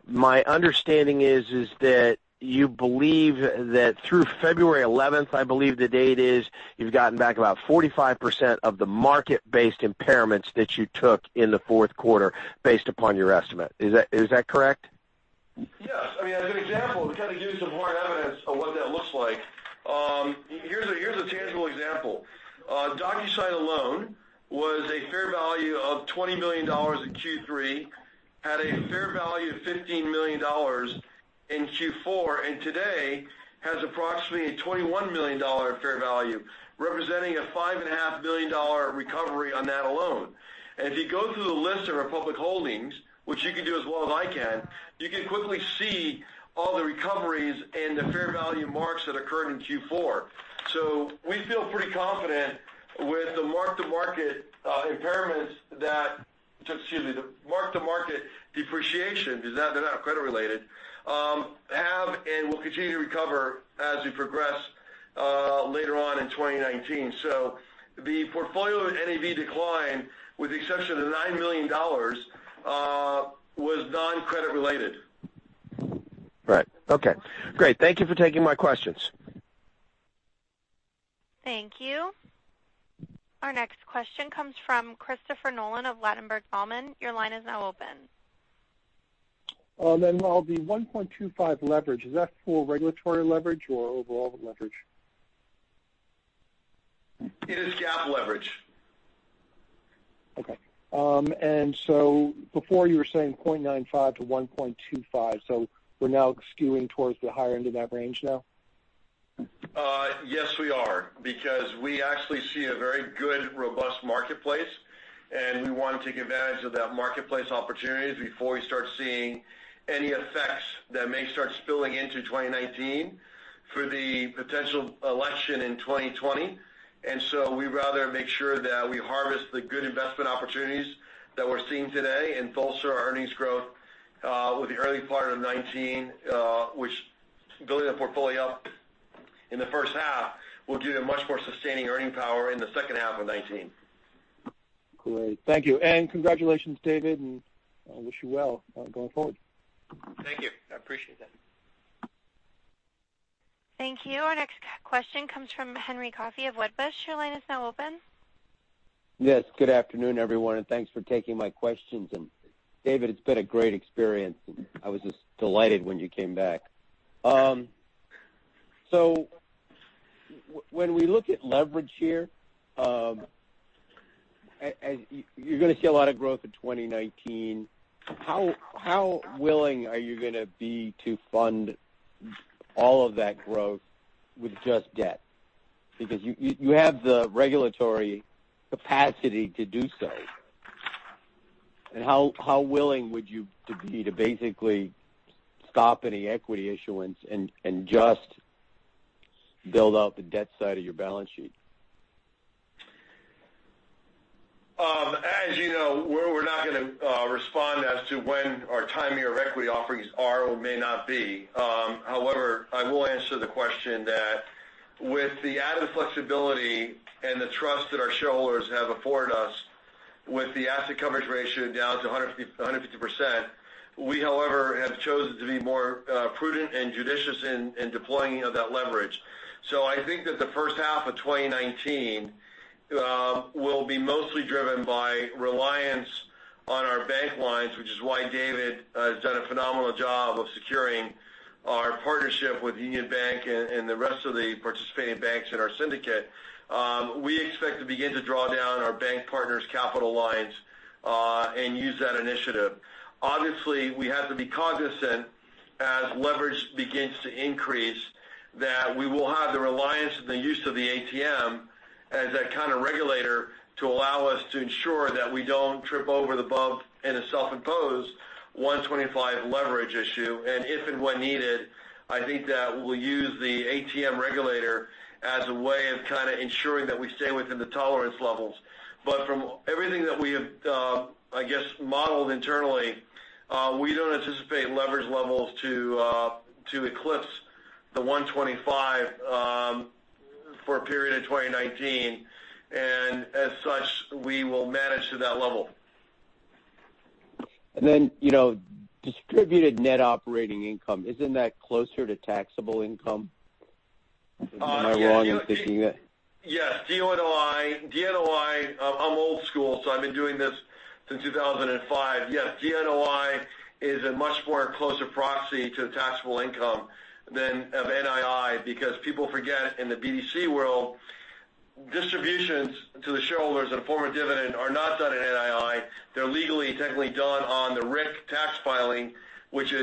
my understanding is that you believe that through February 11th, I believe the date is, you've gotten back about 45% of the market-based impairments that you took in the fourth quarter based upon your estimate. Is that correct? Yes. As an example, to kind of give you some hard evidence of what that looks like. Here's a tangible example. DocuSign alone was a fair value of $20 million in Q3, had a fair value of $15 million in Q4, and today has approximately a $21 million fair value, representing a $5.5 million recovery on that alone. If you go through the list of our public holdings, which you can do as well as I can, you can quickly see all the recoveries and the fair value marks that occurred in Q4. We feel pretty confident with the mark-to-market impairments, excuse me, the mark-to-market depreciation, they're not credit related, have and will continue to recover as we progress later on in 2019. The portfolio NAV decline, with the exception of the $9 million, was non-credit related. Right. Okay, great. Thank you for taking my questions. Thank you. Our next question comes from Christopher Nolan of Ladenburg Thalmann. Your line is now open. The 1.25 leverage, is that for regulatory leverage or overall leverage? It is GAAP leverage. Okay. Before you were saying 0.95 to 1.25, so we're now skewing towards the higher end of that range now? Yes, we are, because we actually see a very good, robust marketplace, and we want to take advantage of that marketplace opportunities before we start seeing any effects that may start spilling into 2019 for the potential election in 2020. We'd rather make sure that we harvest the good investment opportunities that we're seeing today and bolster our earnings growth, with the early part of 2019, which building the portfolio up in the first half will give you a much more sustaining earning power in the second half of 2019. Great. Thank you. Congratulations, David, and I wish you well going forward. Thank you. I appreciate that. Thank you. Our next question comes from Henry Coffey of Wedbush. Your line is now open. Yes. Good afternoon, everyone, and thanks for taking my questions. David, it's been a great experience. I was just delighted when you came back. When we look at leverage here, you're going to see a lot of growth in 2019. How willing are you going to be to fund all of that growth with just debt? Because you have the regulatory capacity to do so. How willing would you be to basically stop any equity issuance and just build out the debt side of your balance sheet? As you know, we're not going to respond as to when our timing of equity offerings are or may not be. However, I will answer the question that with the added flexibility and the trust that our shareholders have afforded us with the asset coverage ratio down to 150%, we, however, have chosen to be more prudent and judicious in deploying of that leverage. I think that the first half of 2019 will be mostly driven by reliance on our bank lines, which is why David has done a phenomenal job of securing our partnership with Union Bank and the rest of the participating banks in our syndicate. We expect to begin to draw down our bank partners' capital lines, and use that initiative. Obviously, we have to be cognizant as leverage begins to increase, that we will have the reliance and the use of the ATM as that kind of regulator to allow us to ensure that we don't trip over the bump in a self-imposed 125 leverage issue. If and when needed, I think that we'll use the ATM regulator as a way of kind of ensuring that we stay within the tolerance levels. From everything that we have, I guess, modeled internally, we don't anticipate leverage levels to eclipse the 125 for a period of 2019. As such, we will manage to that level. Distributed net operating income, isn't that closer to taxable income? Am I wrong in thinking that? Yes. DNOI, I'm old school, so I've been doing this since 2005. Yes, DNOI is a much more closer proxy to the taxable income than of NII because people forget in the BDC world, distributions to the shareholders in the form of dividend are not done at NII. They're legally, technically done on the RIC tax filing, which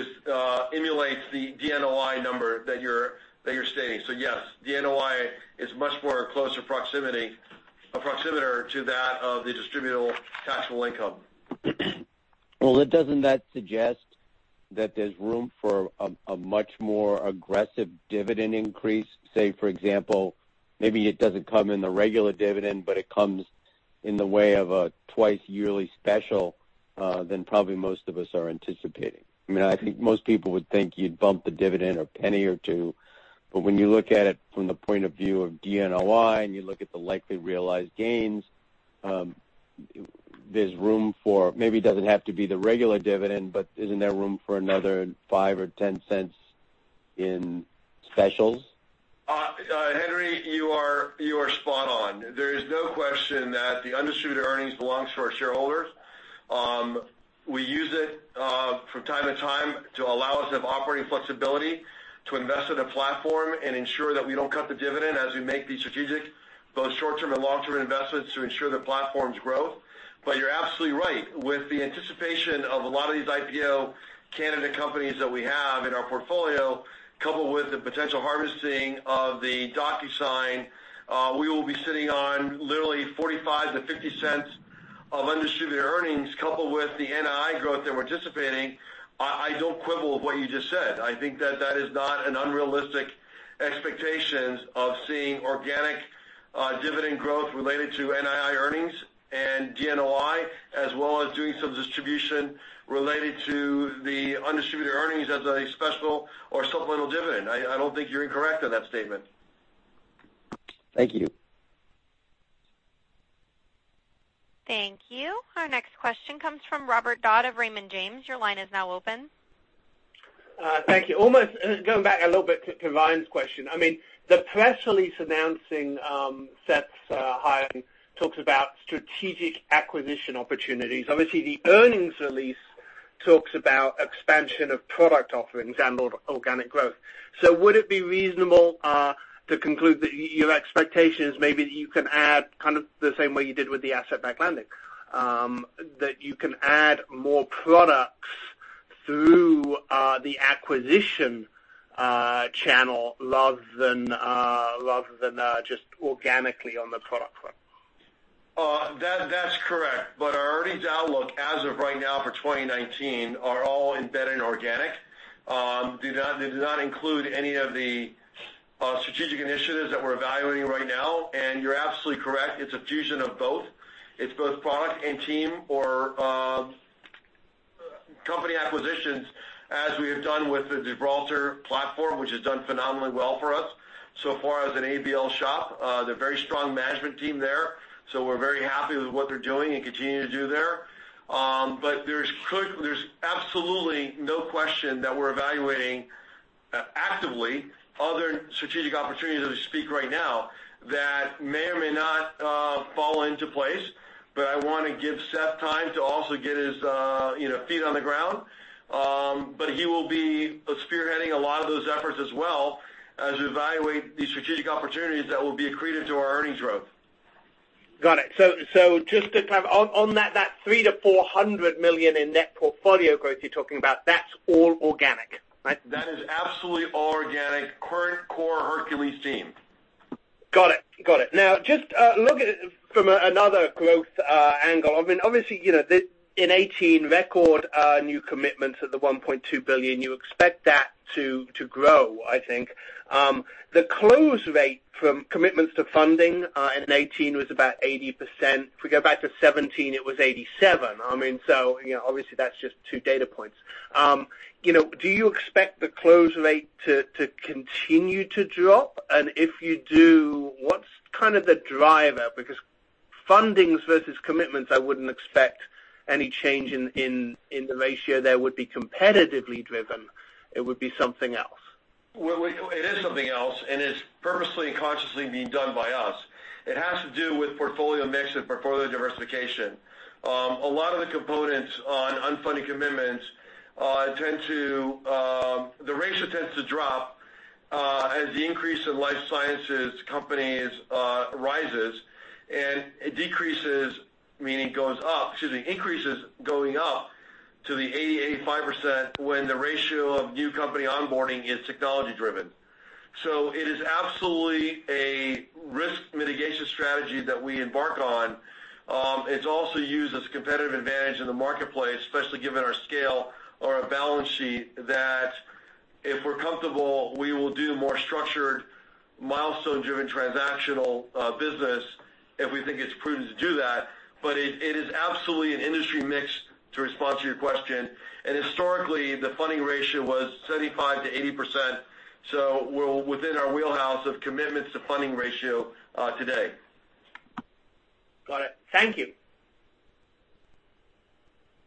emulates the DNOI number that you're stating. Yes, DNOI is much more proximitor to that of the distributable taxable income. Well, doesn't that suggest that there's room for a much more aggressive dividend increase? Say, for example, maybe it doesn't come in the regular dividend, but it comes in the way of a twice yearly special, than probably most of us are anticipating. I think most people would think you'd bump the dividend a $0.01 or $0.02. When you look at it from the point of view of DNOI, and you look at the likely realized gains, there's room for, maybe it doesn't have to be the regular dividend, but isn't there room for another five or $0.10 in specials? Henry, you are spot on. There is no question that the undistributed earnings belongs to our shareholders. We use it from time to time to allow us to have operating flexibility to invest in a platform and ensure that we don't cut the dividend as we make these strategic, both short-term and long-term investments to ensure the platform's growth. You're absolutely right. With the anticipation of a lot of these IPO candidate companies that we have in our portfolio, coupled with the potential harvesting of the DocuSign, we will be sitting on literally $0.45 to $0.50 of undistributed earnings, coupled with the NII growth that we're anticipating. I don't quibble with what you just said. I think that that is not an unrealistic expectation of seeing organic dividend growth related to NII earnings and DNOI, as well as doing some distribution related to the undistributed earnings as a special or supplemental dividend. I don't think you're incorrect on that statement. Thank you. Thank you. Our next question comes from Robert Dodd of Raymond James. Your line is now open. Thank you. Almost going back a little bit to Ryan's question. The press release announcing Seth's hiring talks about strategic acquisition opportunities. Obviously, the earnings release talks about expansion of product offerings and organic growth. Would it be reasonable to conclude that your expectation is maybe that you can add kind of the same way you did with the asset-backed lending? That you can add more products through the acquisition channel rather than just organically on the product front. That's correct. Our earnings outlook as of right now for 2019 are all embedded in organic. They do not include any of the strategic initiatives that we're evaluating right now. You're absolutely correct. It's a fusion of both. It's both product and team or company acquisitions as we have done with the Gibraltar platform, which has done phenomenally well for us so far as an ABL shop. They're a very strong management team there, so we're very happy with what they're doing and continuing to do there. There's absolutely no question that we're evaluating actively other strategic opportunities as we speak right now that may or may not fall into place. I want to give Seth time to also get his feet on the ground. He will be spearheading a lot of those efforts as well as we evaluate these strategic opportunities that will be accretive to our earnings growth. Got it. Just to clarify, on that $300 million-$400 million in net portfolio growth you're talking about, that's all organic, right? That is absolutely all organic. Current core Hercules team. Got it. Just looking at it from another growth angle. In 2018, record new commitments at the $1.2 billion. You expect that to grow, I think. The close rate from commitments to funding in 2018 was about 80%. If we go back to 2017, it was 87%. That's just two data points. Do you expect the close rate to continue to drop? If you do, what's kind of the driver? Fundings versus commitments, I wouldn't expect any change in the ratio there would be competitively driven. It would be something else. It is something else, it's purposely and consciously being done by us. It has to do with portfolio mix and portfolio diversification. A lot of the components on unfunded commitments, the ratio tends to drop as the increase in life sciences companies rises, it decreases, meaning it goes up. Excuse me. Increases going up to the 80%, 85% when the ratio of new company onboarding is technology driven. It is absolutely a risk mitigation strategy that we embark on. It's also used as a competitive advantage in the marketplace, especially given our scale or our balance sheet, that if we're comfortable, we will do more structured milestone-driven transactional business if we think it's prudent to do that. It is absolutely an industry mix to respond to your question. Historically, the funding ratio was 75%-80%, we're within our wheelhouse of commitments to funding ratio today. Got it. Thank you.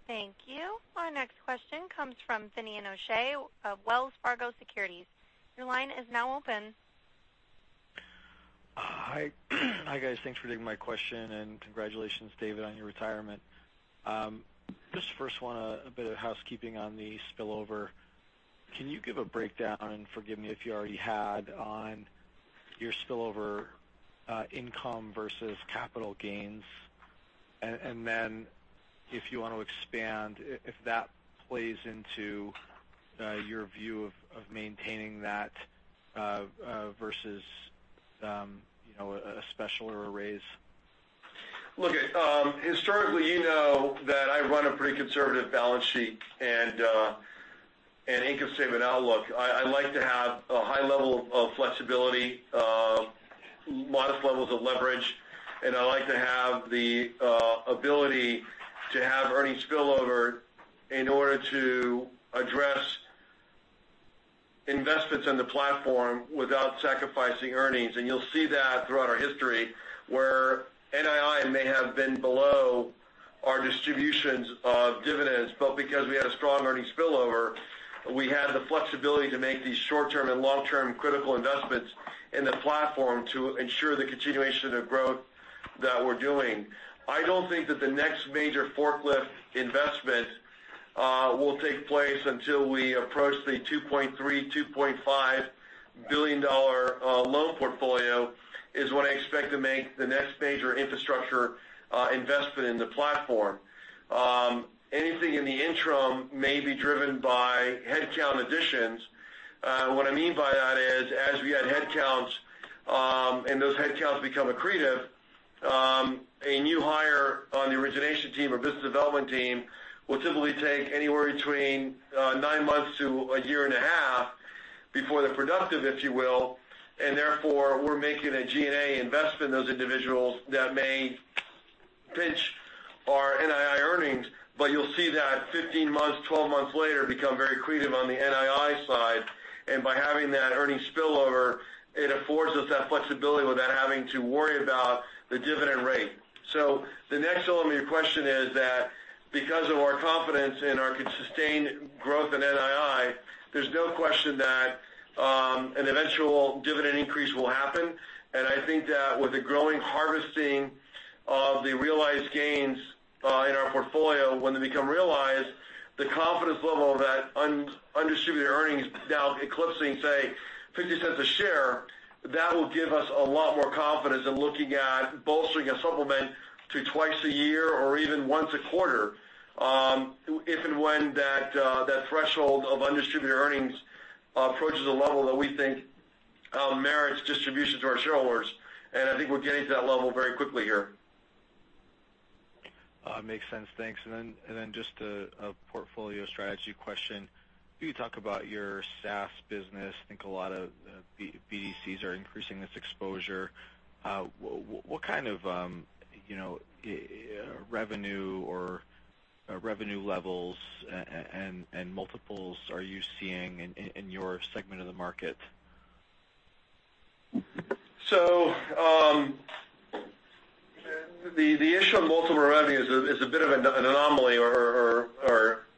Thank you. Our next question comes from Finian O'Shea of Wells Fargo Securities. Your line is now open. Hi, guys. Thanks for taking my question, and congratulations, David Lund, on your retirement. Just first one, a bit of housekeeping on the spillover. Can you give a breakdown, and forgive me if you already had, on your spillover income versus capital gains? If you want to expand, if that plays into your view of maintaining that versus a special or a raise? Look, historically, you know that I run a pretty conservative balance sheet and income statement outlook. I like to have a high level of flexibility, modest levels of leverage, and I like to have the ability to have earnings spillover in order to address investments in the platform without sacrificing earnings. You'll see that throughout our history, where NII may have been below our distributions of dividends, but because we had a strong earnings spillover, we had the flexibility to make these short-term and long-term critical investments in the platform to ensure the continuation of growth that we're doing. I don't think that the next major forklift investment will take place until we approach the $2.3 billion, $2.5 billion loan portfolio. Is what I expect to make the next major infrastructure investment in the platform. Anything in the interim may be driven by headcount additions. What I mean by that is, as we add headcounts and those headcounts become accretive, a new hire on the origination team or business development team will typically take anywhere between nine months to a year and a half before they're productive, if you will. Therefore, we're making a G&A investment in those individuals that may pinch our NII earnings. You'll see that 15 months, 12 months later, become very accretive on the NII side. By having that earnings spillover, it affords us that flexibility without having to worry about the dividend rate. The next element of your question is that because of our confidence in our sustained growth in NII, there's no question that an eventual dividend increase will happen. I think that with the growing harvesting of the realized gains in our portfolio, when they become realized, the confidence level that undistributed earnings now eclipsing, say, $0.50 a share, that will give us a lot more confidence in looking at bolstering a supplement to twice a year or even once a quarter, if and when that threshold of undistributed earnings approaches a level that we think merits distribution to our shareholders. I think we're getting to that level very quickly here. Makes sense. Thanks. Then just a portfolio strategy question. You talk about your SaaS business. I think a lot of BDCs are increasing this exposure. What kind of revenue or revenue levels and multiples are you seeing in your segment of the market? The issue of multiple revenue is a bit of an anomaly or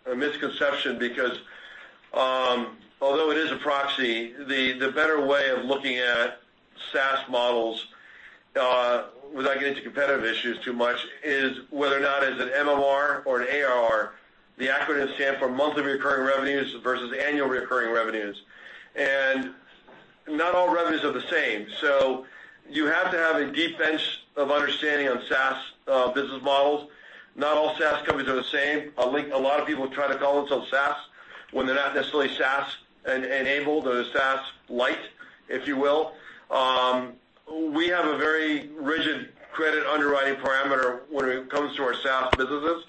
a misconception because although it is a proxy, the better way of looking at SaaS models, without getting into competitive issues too much, is whether or not as an MMR or an ARR, the acronyms stand for monthly recurring revenues versus annual recurring revenues. Not all revenues are the same. You have to have a deep bench of understanding on SaaS business models. Not all SaaS companies are the same. A lot of people try to call themselves SaaS when they're not necessarily SaaS-enabled or they're SaaS Lite, if you will. We have a very rigid credit underwriting parameter when it comes to our SaaS businesses.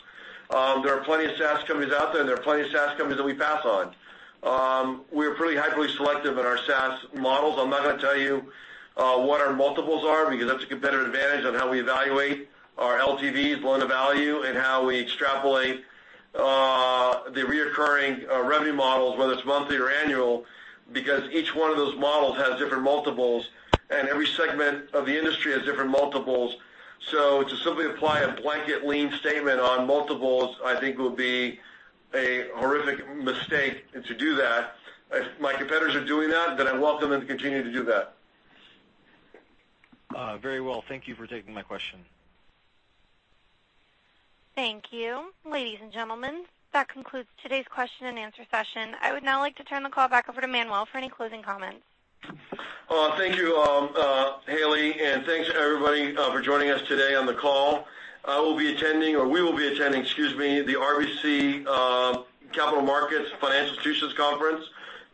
There are plenty of SaaS companies out there, and there are plenty of SaaS companies that we pass on. We are pretty hyperly selective in our SaaS models. I'm not going to tell you what our multiples are because that's a competitive advantage on how we evaluate our LTVs, loan of value, and how we extrapolate the reoccurring revenue models, whether it's monthly or annual, because each one of those models has different multiples, and every segment of the industry has different multiples. To simply apply a blanket lean statement on multiples, I think would be a horrific mistake, and to do that. If my competitors are doing that, then I welcome them to continue to do that. Very well. Thank you for taking my question. Thank you. Ladies and gentlemen, that concludes today's question and answer session. I would now like to turn the call back over to Manuel for any closing comments. Thank you, Hailey. Thanks everybody for joining us today on the call. We will be attending, excuse me, the RBC Capital Markets Financial Institutions Conference.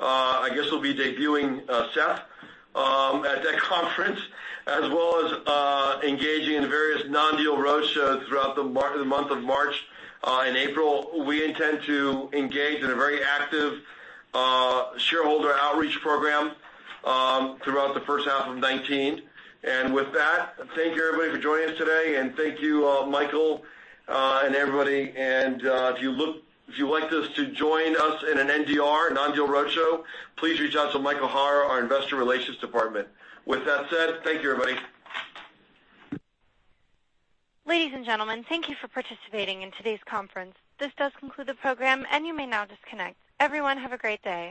I guess we'll be debuting Seth at that conference, as well as engaging in various non-deal roadshows throughout the month of March. In April, we intend to engage in a very active shareholder outreach program throughout the first half of 2019. With that, thank you everybody for joining us today, and thank you, Michael and everybody. If you'd like to join us in an NDR, non-deal roadshow, please reach out to Michael Hara, our investor relations department. With that said, thank you, everybody. Ladies and gentlemen, thank you for participating in today's conference. This does conclude the program, and you may now disconnect. Everyone have a great day.